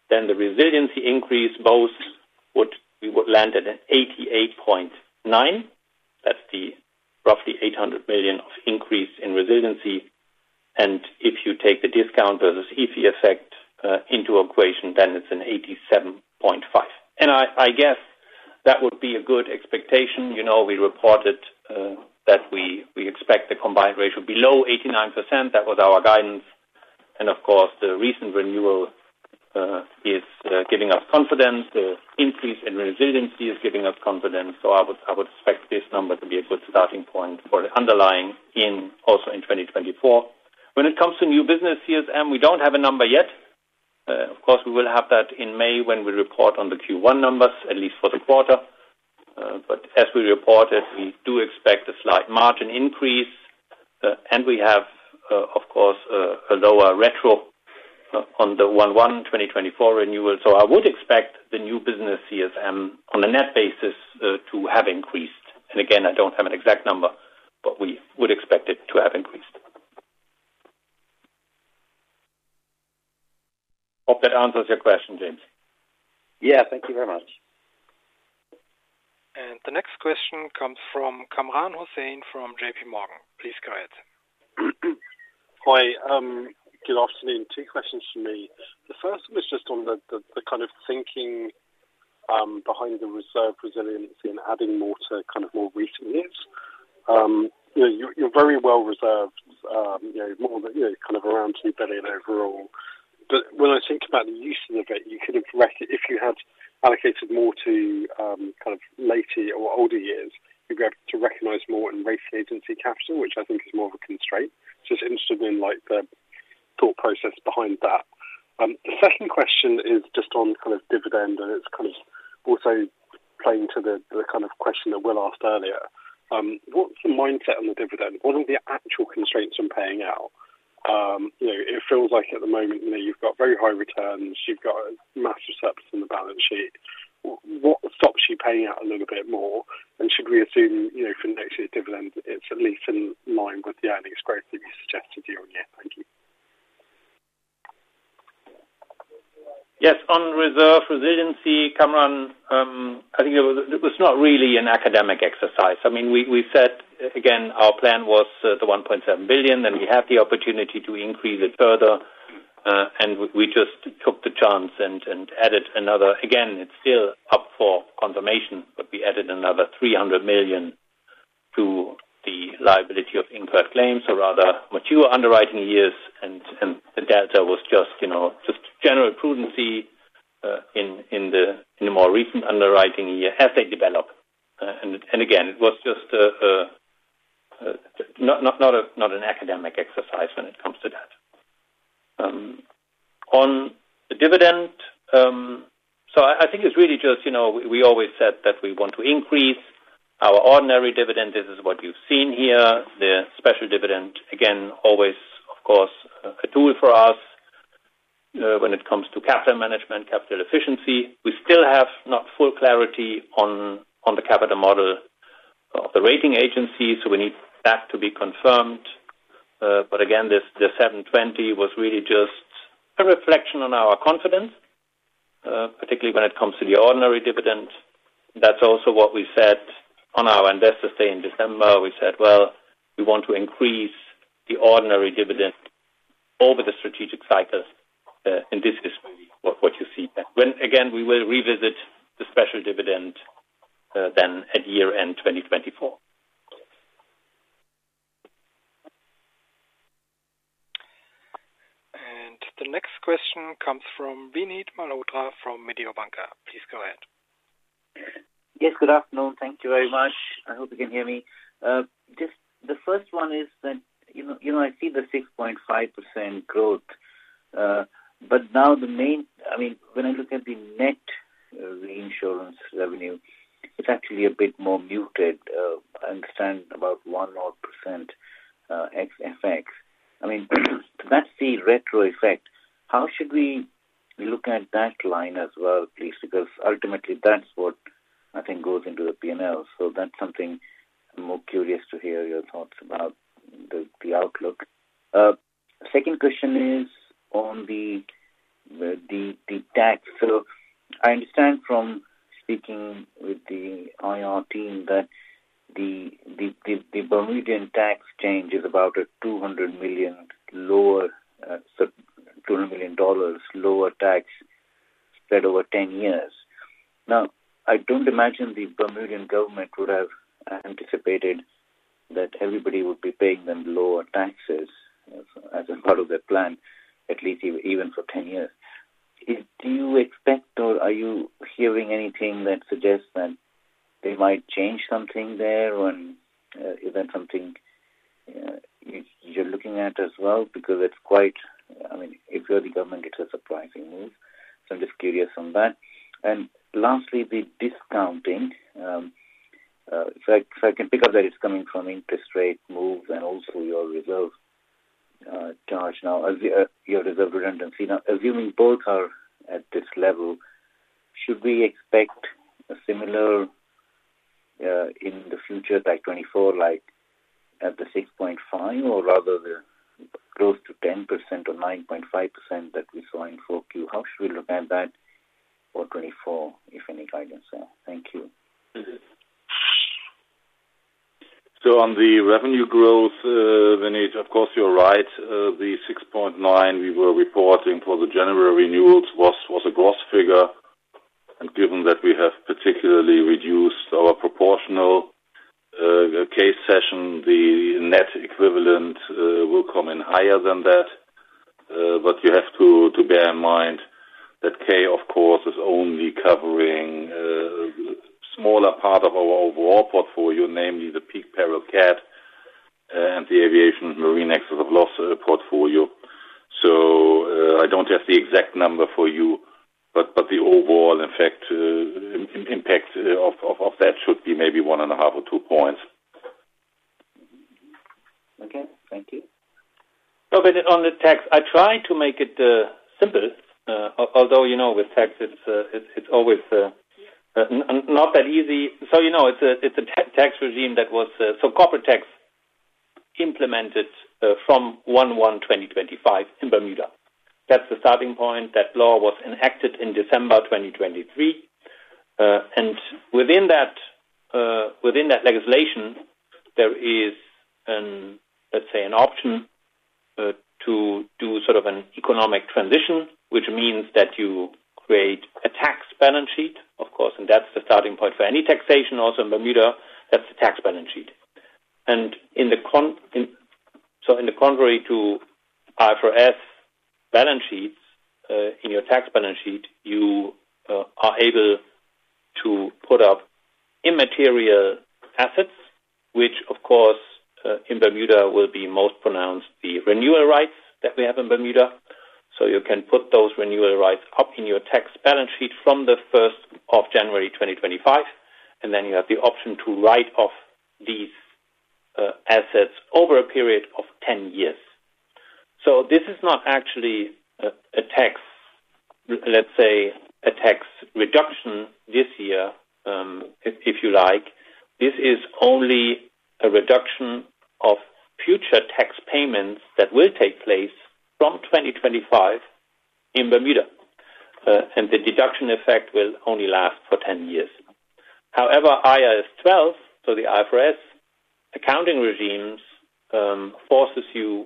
Then the resiliency increase, both, we would land at an 88.9. That's the roughly 800 million of increase in resiliency. If you take the discount versus EFI effect into equation, then it's an 87.5%. I guess that would be a good expectation. We reported that we expect the combined ratio below 89%. That was our guidance. Of course, the recent renewal is giving us confidence. The increase in resiliency is giving us confidence. So I would expect this number to be a good starting point for the underlying also in 2024. When it comes to new business CSM, we don't have a number yet. Of course, we will have that in May when we report on the Q1 numbers, at least for the quarter. But as we reported, we do expect a slight margin increase. And we have, of course, a lower retro on the 1/1/2024 renewal. So I would expect the new business CSM on a net basis to have increased. And again, I don't have an exact number, but we would expect it to have increased. Hope that answers your question, James. Yeah. Thank you very much. And the next question comes from Kamran Hossain from J.P. Morgan. Please go ahead. Hi. Good afternoon. Two questions from me. The first one is just on the kind of thinking behind the reserve resiliency and adding more to kind of more recently is. You're very well reserved, more than kind of around 2 billion overall. But when I think about the uses of it, you could have if you had allocated more to kind of later or older years, you'd be able to recognize more in regulatory capital, which I think is more of a constraint. Just interested in the thought process behind that. The second question is just on kind of dividend, and it's kind of also playing to the kind of question that Will asked earlier. What's the mindset on the dividend? What are the actual constraints on paying out? It feels like at the moment, you've got very high returns. You've got a massive surplus on the balance sheet. What stops you paying out a little bit more? And should we assume for next year's dividend, it's at least in line with the earnings growth that you suggested year-over-year? Thank you. Yes. On reserve resiliency, Kamran, I think it was not really an academic exercise. I mean, we said, again, our plan was the 1.7 billion. Then we had the opportunity to increase it further. We just took the chance and added another again; it's still up for confirmation, but we added another 300 million to the Liability for Incurred Claims, so rather mature underwriting years. The delta was just general prudency in the more recent underwriting year as they develop. Again, it was just not an academic exercise when it comes to that. On the dividend, I think it's really just we always said that we want to increase our ordinary dividend. This is what you've seen here. The special dividend, again, always, of course, a tool for us when it comes to capital management, capital efficiency. We still have not full clarity on the capital model of the rating agencies, so we need that to be confirmed. But again, the 720 million was really just a reflection on our confidence, particularly when it comes to the ordinary dividend. That's also what we said on our Investors' Day in December. We said, "Well, we want to increase the ordinary dividend over the strategic cycles. And this is what you see there." When, again, we will revisit the special dividend then at year-end 2024. And the next question comes from Vinit Malhotra from Mediobanca. Please go ahead. Yes. Good afternoon. Thank you very much. I hope you can hear me. Just the first one is that I see the 6.5% growth. But now the main I mean, when I look at the net reinsurance revenue, it's actually a bit more muted. I understand about 1 odd percent FX. I mean, that's the retro effect. How should we look at that line as well, please? Because ultimately, that's what, I think, goes into the P&L. So that's something I'm more curious to hear your thoughts about the outlook. Second question is on the tax. So I understand from speaking with the IR team that the Bermudian tax change is about a $200 million lower $200 million lower tax spread over 10 years. Now, I don't imagine the Bermudian government would have anticipated that everybody would be paying them lower taxes as a part of their plan, at least even for 10 years. Do you expect, or are you hearing anything that suggests that they might change something there? Is that something you're looking at as well? Because it's quite, I mean, if you're the government, it's a surprising move. So I'm just curious on that. And lastly, the discounting. If I can pick up that it's coming from interest rate moves and also your reserve charge now, your reserve redundancy. Now, assuming both are at this level, should we expect a similar in the future, like 2024, at the 6.5 or rather the close to 10% or 9.5% that we saw in 4Q? How should we look at that for 2024, if any guidance there? Thank you. So on the revenue growth, Vinit, of course, you're right. The 6.9 we were reporting for the January renewals was a gross figure. And given that we have particularly reduced our proportional cession, the net equivalent will come in higher than that. But you have to bear in mind that K, of course, is only covering a smaller part of our overall portfolio, namely the peak peril cap and the aviation marine excess of loss portfolio. So I don't have the exact number for you, but the overall, in fact, impact of that should be maybe 1.5 or 2 points. Okay. Thank you. So on the tax, I tried to make it simple. Although with tax, it's always not that easy. So it's a tax regime that was so corporate tax implemented from 1/1/2025 in Bermuda. That's the starting point. That law was enacted in December 2023. And within that legislation, there is, let's say, an option to do sort of an economic transition, which means that you create a tax balance sheet, of course. And that's the starting point for any taxation also in Bermuda. That's the tax balance sheet. In contrast to IFRS balance sheets, in your tax balance sheet, you are able to step up intangible assets, which, of course, in Bermuda will be most pronounced the renewal rights that we have in Bermuda. So you can step up those renewal rights in your tax balance sheet from the 1st of January 2025. Then you have the option to write off these assets over a period of 10 years. So this is not actually a tax, let's say, a tax reduction this year, if you like. This is only a reduction of future tax payments that will take place from 2025 in Bermuda. And the deduction effect will only last for 10 years. However, IAS 12, so the IFRS accounting regime, forces you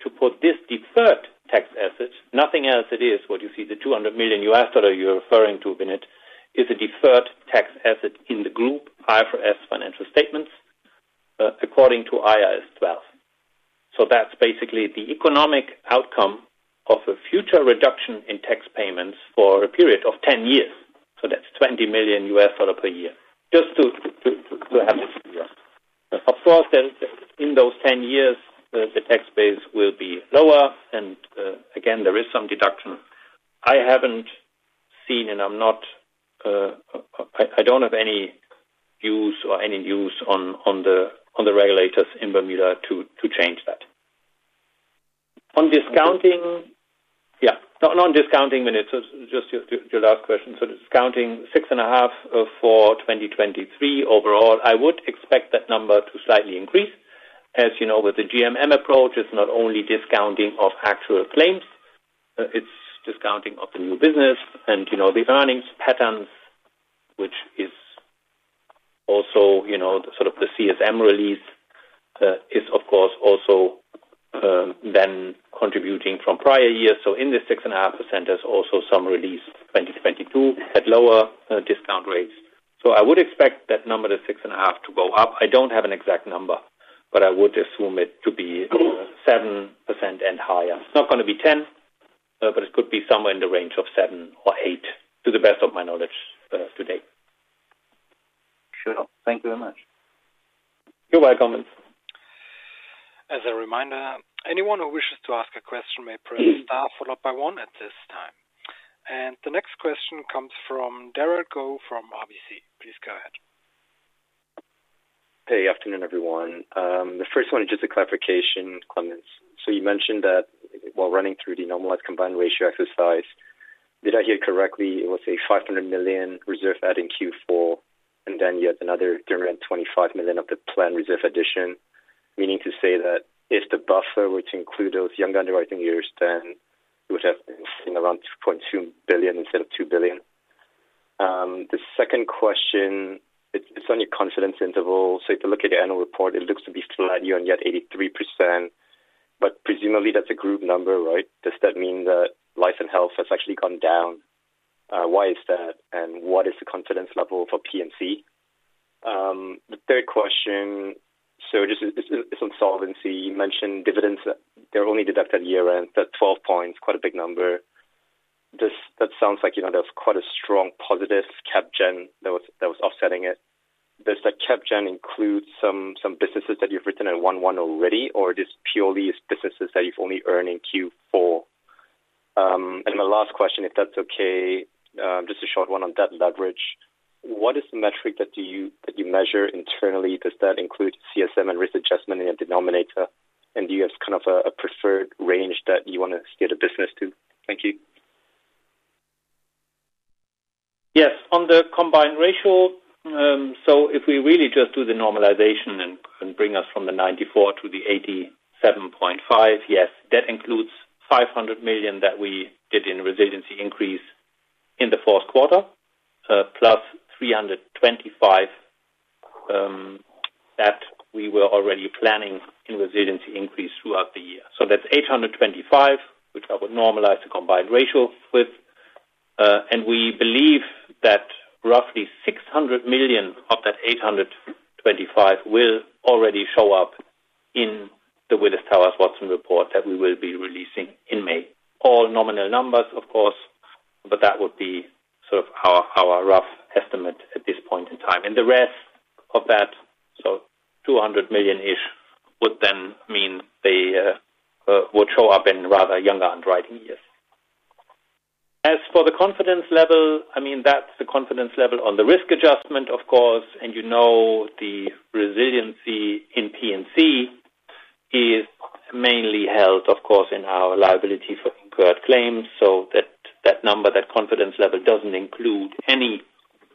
to recognize this deferred tax asset, nothing else it is. What you see, the $200 million you're referring to, Vinit, is a deferred tax asset in the group IFRS financial statements according to IAS 12. So that's basically the economic outcome of a future reduction in tax payments for a period of 10 years. So that's $20 million per year, just to have this clear. Of course, in those 10 years, the tax base will be lower. And again, there is some deduction. I haven't seen and I'm not—I don't have any views or any news on the regulators in Bermuda to change that. On discounting, yeah. No, not discounting, Vinit. Just your last question. So discounting 6.5 for 2023 overall, I would expect that number to slightly increase. As you know, with the GMM approach, it's not only discounting of actual claims. It's discounting of the new business and the earnings patterns, which is also sort of the CSM release, is, of course, also then contributing from prior years. So in this 6.5%, there's also some release 2022 at lower discount rates. So I would expect that number, the 6.5, to go up. I don't have an exact number, but I would assume it to be 7% and higher. It's not going to be 10%, but it could be somewhere in the range of 7%-8%, to the best of my knowledge today. Sure. Thank you very much. You're welcome, Vinit. As a reminder, anyone who wishes to ask a question may press star followed by 1 at this time. And the next question comes from Dardeep Goel from RBC. Please go ahead. Hey. Afternoon, everyone. The first one, just a clarification, Clemens. So you mentioned that while running through the normalized combined ratio exercise, did I hear correctly? It was a 500 million reserve add in Q4 and then yet another 25 million of the planned reserve addition, meaning to say that if the buffer were to include those young underwriting years, then it would have been around 2.2 billion instead of 2 billion. The second question, it's on your confidence interval. So if you look at your annual report, it looks to be flat year-on-year at 83%. But presumably, that's a group number, right? Does that mean that life and health has actually gone down? Why is that? And what is the confidence level for P&C? The third question, so it's on solvency. You mentioned dividends. They're only deducted year-end. That's 12 points. Quite a big number. That sounds like there's quite a strong positive CAPGEN that was offsetting it. Does that CAPGEN include some businesses that you've written at 1/1 already, or this purely is businesses that you've only earned in Q4? And my last question, if that's okay, just a short one on debt leverage. What is the metric that you measure internally? Does that include CSM and risk adjustment in your denominator? And do you have kind of a preferred range that you want to steer the business to? Thank you. Yes. On the combined ratio, so if we really just do the normalization and bring us from 94% to 87.5%, yes, that includes 500 million that we did in resiliency increase in the fourth quarter plus 325 million that we were already planning in resiliency increase throughout the year. So that's 825 million, which I would normalize the combined ratio with. We believe that roughly 600 million of that 825 million will already show up in the Willis Towers Watson report that we will be releasing in May. All nominal numbers, of course, but that would be sort of our rough estimate at this point in time. And the rest of that, so 200 million-ish, would then mean they would show up in rather younger underwriting years. As for the confidence level, I mean, that's the confidence level on the risk adjustment, of course. And you know the resiliency in P&C is mainly held, of course, in our liability for incurred claims. So that number, that confidence level, doesn't include any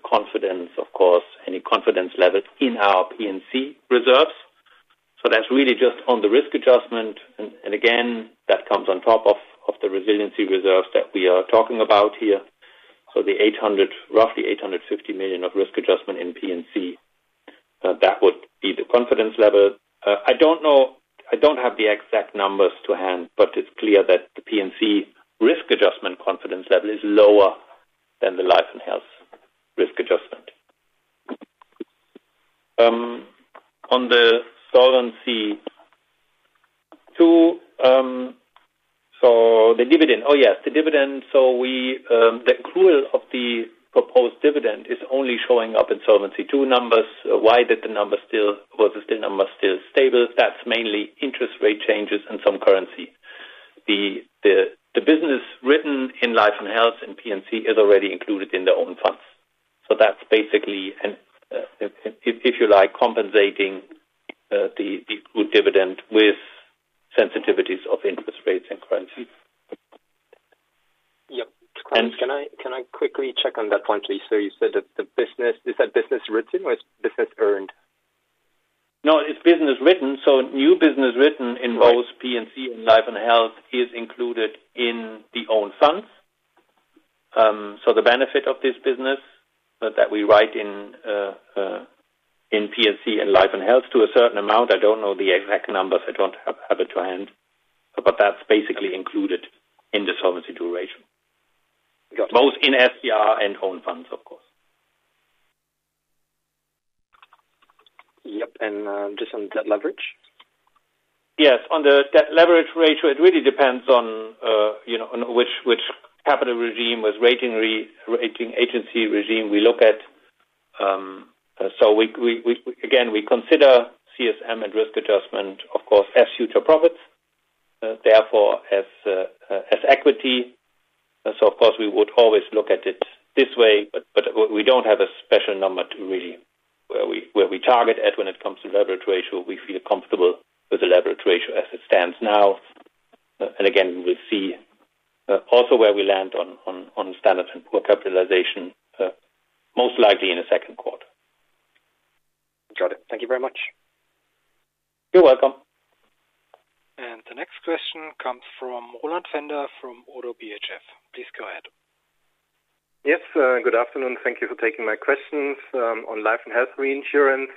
confidence, of course, any confidence level in our P&C reserves. So that's really just on the risk adjustment. And again, that comes on top of the resiliency reserves that we are talking about here. So the roughly 850 million of risk adjustment in P&C, that would be the confidence level. I don't know. I don't have the exact numbers to hand, but it's clear that the P&C risk adjustment confidence level is lower than the life and health risk adjustment. On the Solvency II so the dividend. Oh, yes. The dividend. So the accrual of the proposed dividend is only showing up in Solvency II numbers. Why did the number still was the number still stable? That's mainly interest rate changes and some currency. The business written in life and health in P&C is already included in their own funds. So that's basically, if you like, compensating the dividend with sensitivities of interest rates and currency. Yep. Clemens, can I quickly check on that point, please? So you said that the business is that business written or is business earned? No. It's business written. So new business written in both P&C and life and health is included in the own funds. So the benefit of this business that we write in P&C and life and health to a certain amount I don't know the exact numbers. I don't have it to hand. But that's basically included in the Solvency II ratio, both in SCR and own funds, of course. Yep. And just on debt leverage? Yes. On the debt leverage ratio, it really depends on which capital regime, which rating agency regime we look at. So again, we consider CSM and risk adjustment, of course, as future profits, therefore as equity. So, of course, we would always look at it this way. But we don't have a special number to really where we target at when it comes to leverage ratio. We feel comfortable with the leverage ratio as it stands now. Again, we'll see also where we land on Standard & Poor's capitalization, most likely in the second quarter. Got it. Thank you very much. You're welcome. And the next question comes from Roland Pfänder from ODDO BHF. Please go ahead. Yes. Good afternoon. Thank you for taking my questions. On life and health reinsurance,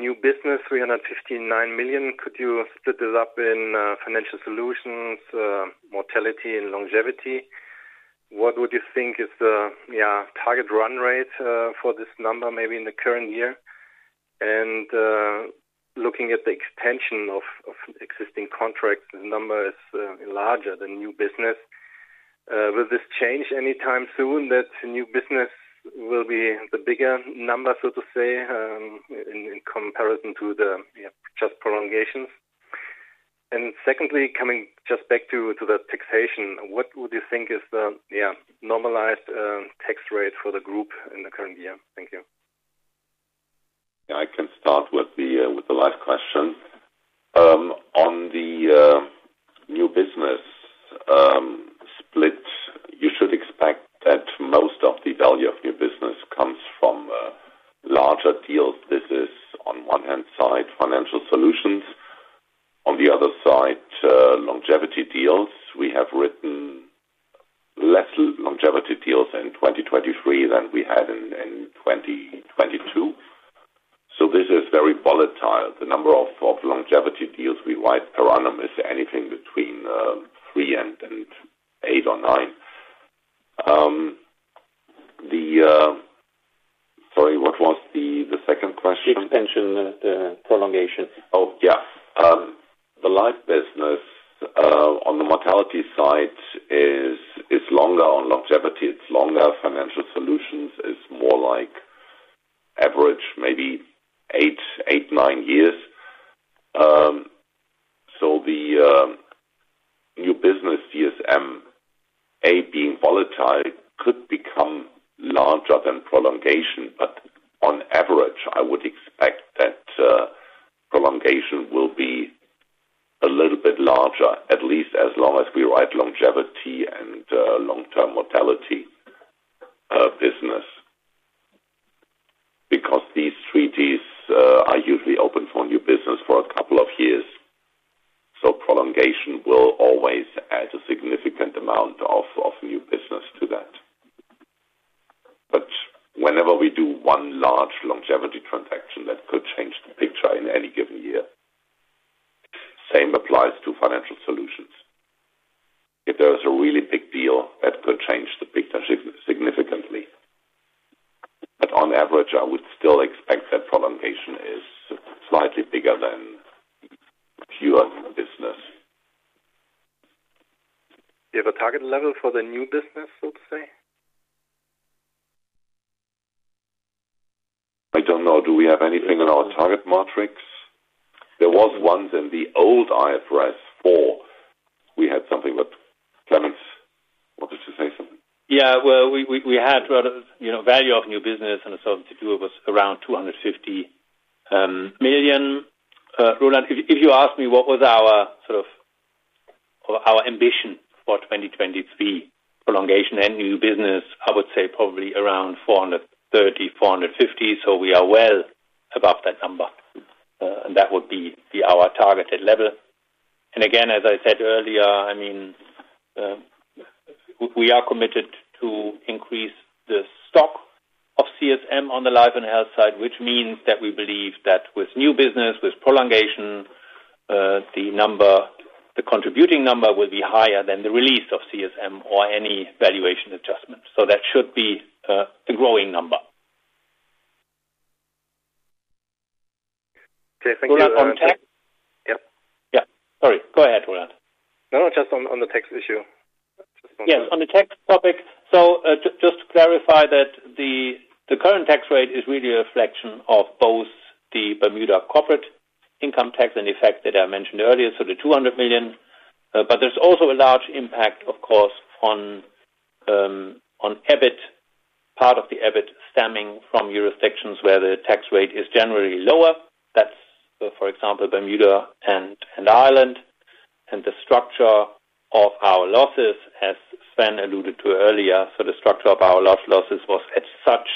new business 359 million. Could you split this up in financial solutions, mortality, and longevity? What would you think is the target run rate for this number maybe in the current year? And looking at the extension of existing contracts, the number is larger than new business. Will this change anytime soon that new business will be the bigger number, so to say, in comparison to the just prolongations? And secondly, coming just back to the taxation, what would you think is the normalized tax rate for the group in the current year? Thank you. Yeah. I can start with the last question. On the new business split, you should expect that most of the value of new business comes from larger deals. This is, on one hand side, financial solutions. On the other side, longevity deals. We have written less longevity deals in 2023 than we had in 2022. So this is very volatile. The number of longevity deals we write per annum is anything between 3 and 8 or 9. Sorry. What was the second question? The extension, the prolongation. Oh, yeah. The life business, on the mortality side, is longer. On longevity, it's longer. Financial solutions is more like average maybe 8, 9 years. So the new business CSM, being volatile, could become larger than prolongation. But on average, I would expect that prolongation will be a little bit larger, at least as long as we write longevity and long-term mortality business because these treaties are usually open for new business for a couple of years. So prolongation will always add a significant amount of new business to that. But whenever we do one large longevity transaction, that could change the picture in any given year. Same applies to financial solutions. If there is a really big deal, that could change the picture significantly. But on average, I would still expect that prolongation is slightly bigger than pure new business. Do you have a target level for the new business, so to say? I don't know. Do we have anything in our target matrix? There was once in the old IFRS 4, we had something but Clemens wanted to say something. Yeah. Well, we had value of new business and the Solvency II was around 250 million. Roland, if you ask me what was our sort of ambition for 2023 prolongation and new business, I would say probably around 430-450 million. So we are well above that number. And that would be our targeted level. And again, as I said earlier, I mean, we are committed to increase the stock of CSM on the life and health side, which means that we believe that with new business, with prolongation, the contributing number will be higher than the release of CSM or any valuation adjustment. So that should be a growing number. Okay. Thank you. Roland, on tax yep. Yeah. Sorry. Go ahead, Roland. No, no. Just on the tax issue. Just on the tax. Yes. On the tax topic. So just to clarify that the current tax rate is really a reflection of both the Bermuda corporate income tax and the fact that I mentioned earlier, so the 200 million. But there's also a large impact, of course, on part of the EBIT stemming from jurisdictions where the tax rate is generally lower. That's, for example, Bermuda and Ireland. And the structure of our losses, as Sven alluded to earlier, so the structure of our large losses was as such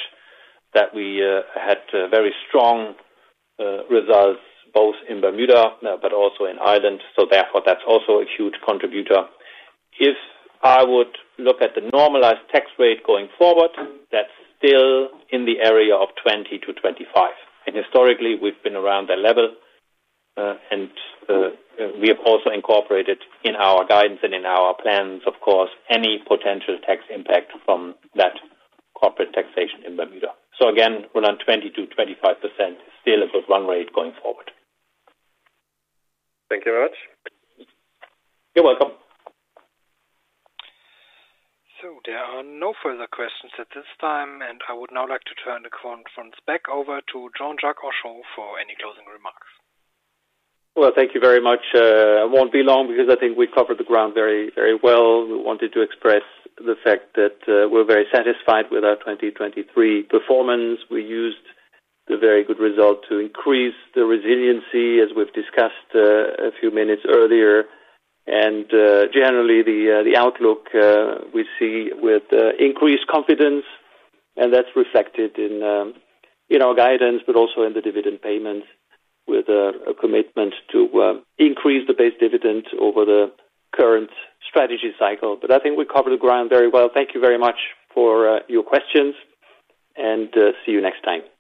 that we had very strong results both in Bermuda but also in Ireland. So therefore, that's also a huge contributor. If I would look at the normalized tax rate going forward, that's still in the area of 20%-25%. And historically, we've been around that level. We have also incorporated in our guidance and in our plans, of course, any potential tax impact from that corporate taxation in Bermuda. So again, Roland, 20%-25% is still a good run rate going forward. Thank you very much. You're welcome. So there are no further questions at this time. And I would now like to turn the conference back over to Jean-Jacques Henchoz for any closing remarks. Well, thank you very much. I won't be long because I think we've covered the ground very, very well. We wanted to express the fact that we're very satisfied with our 2023 performance. We used the very good result to increase the resiliency, as we've discussed a few minutes earlier. Generally, the outlook we see with increased confidence, and that's reflected in our guidance but also in the dividend payments with a commitment to increase the base dividend over the current strategy cycle. But I think we covered the ground very well. Thank you very much for your questions. See you next time.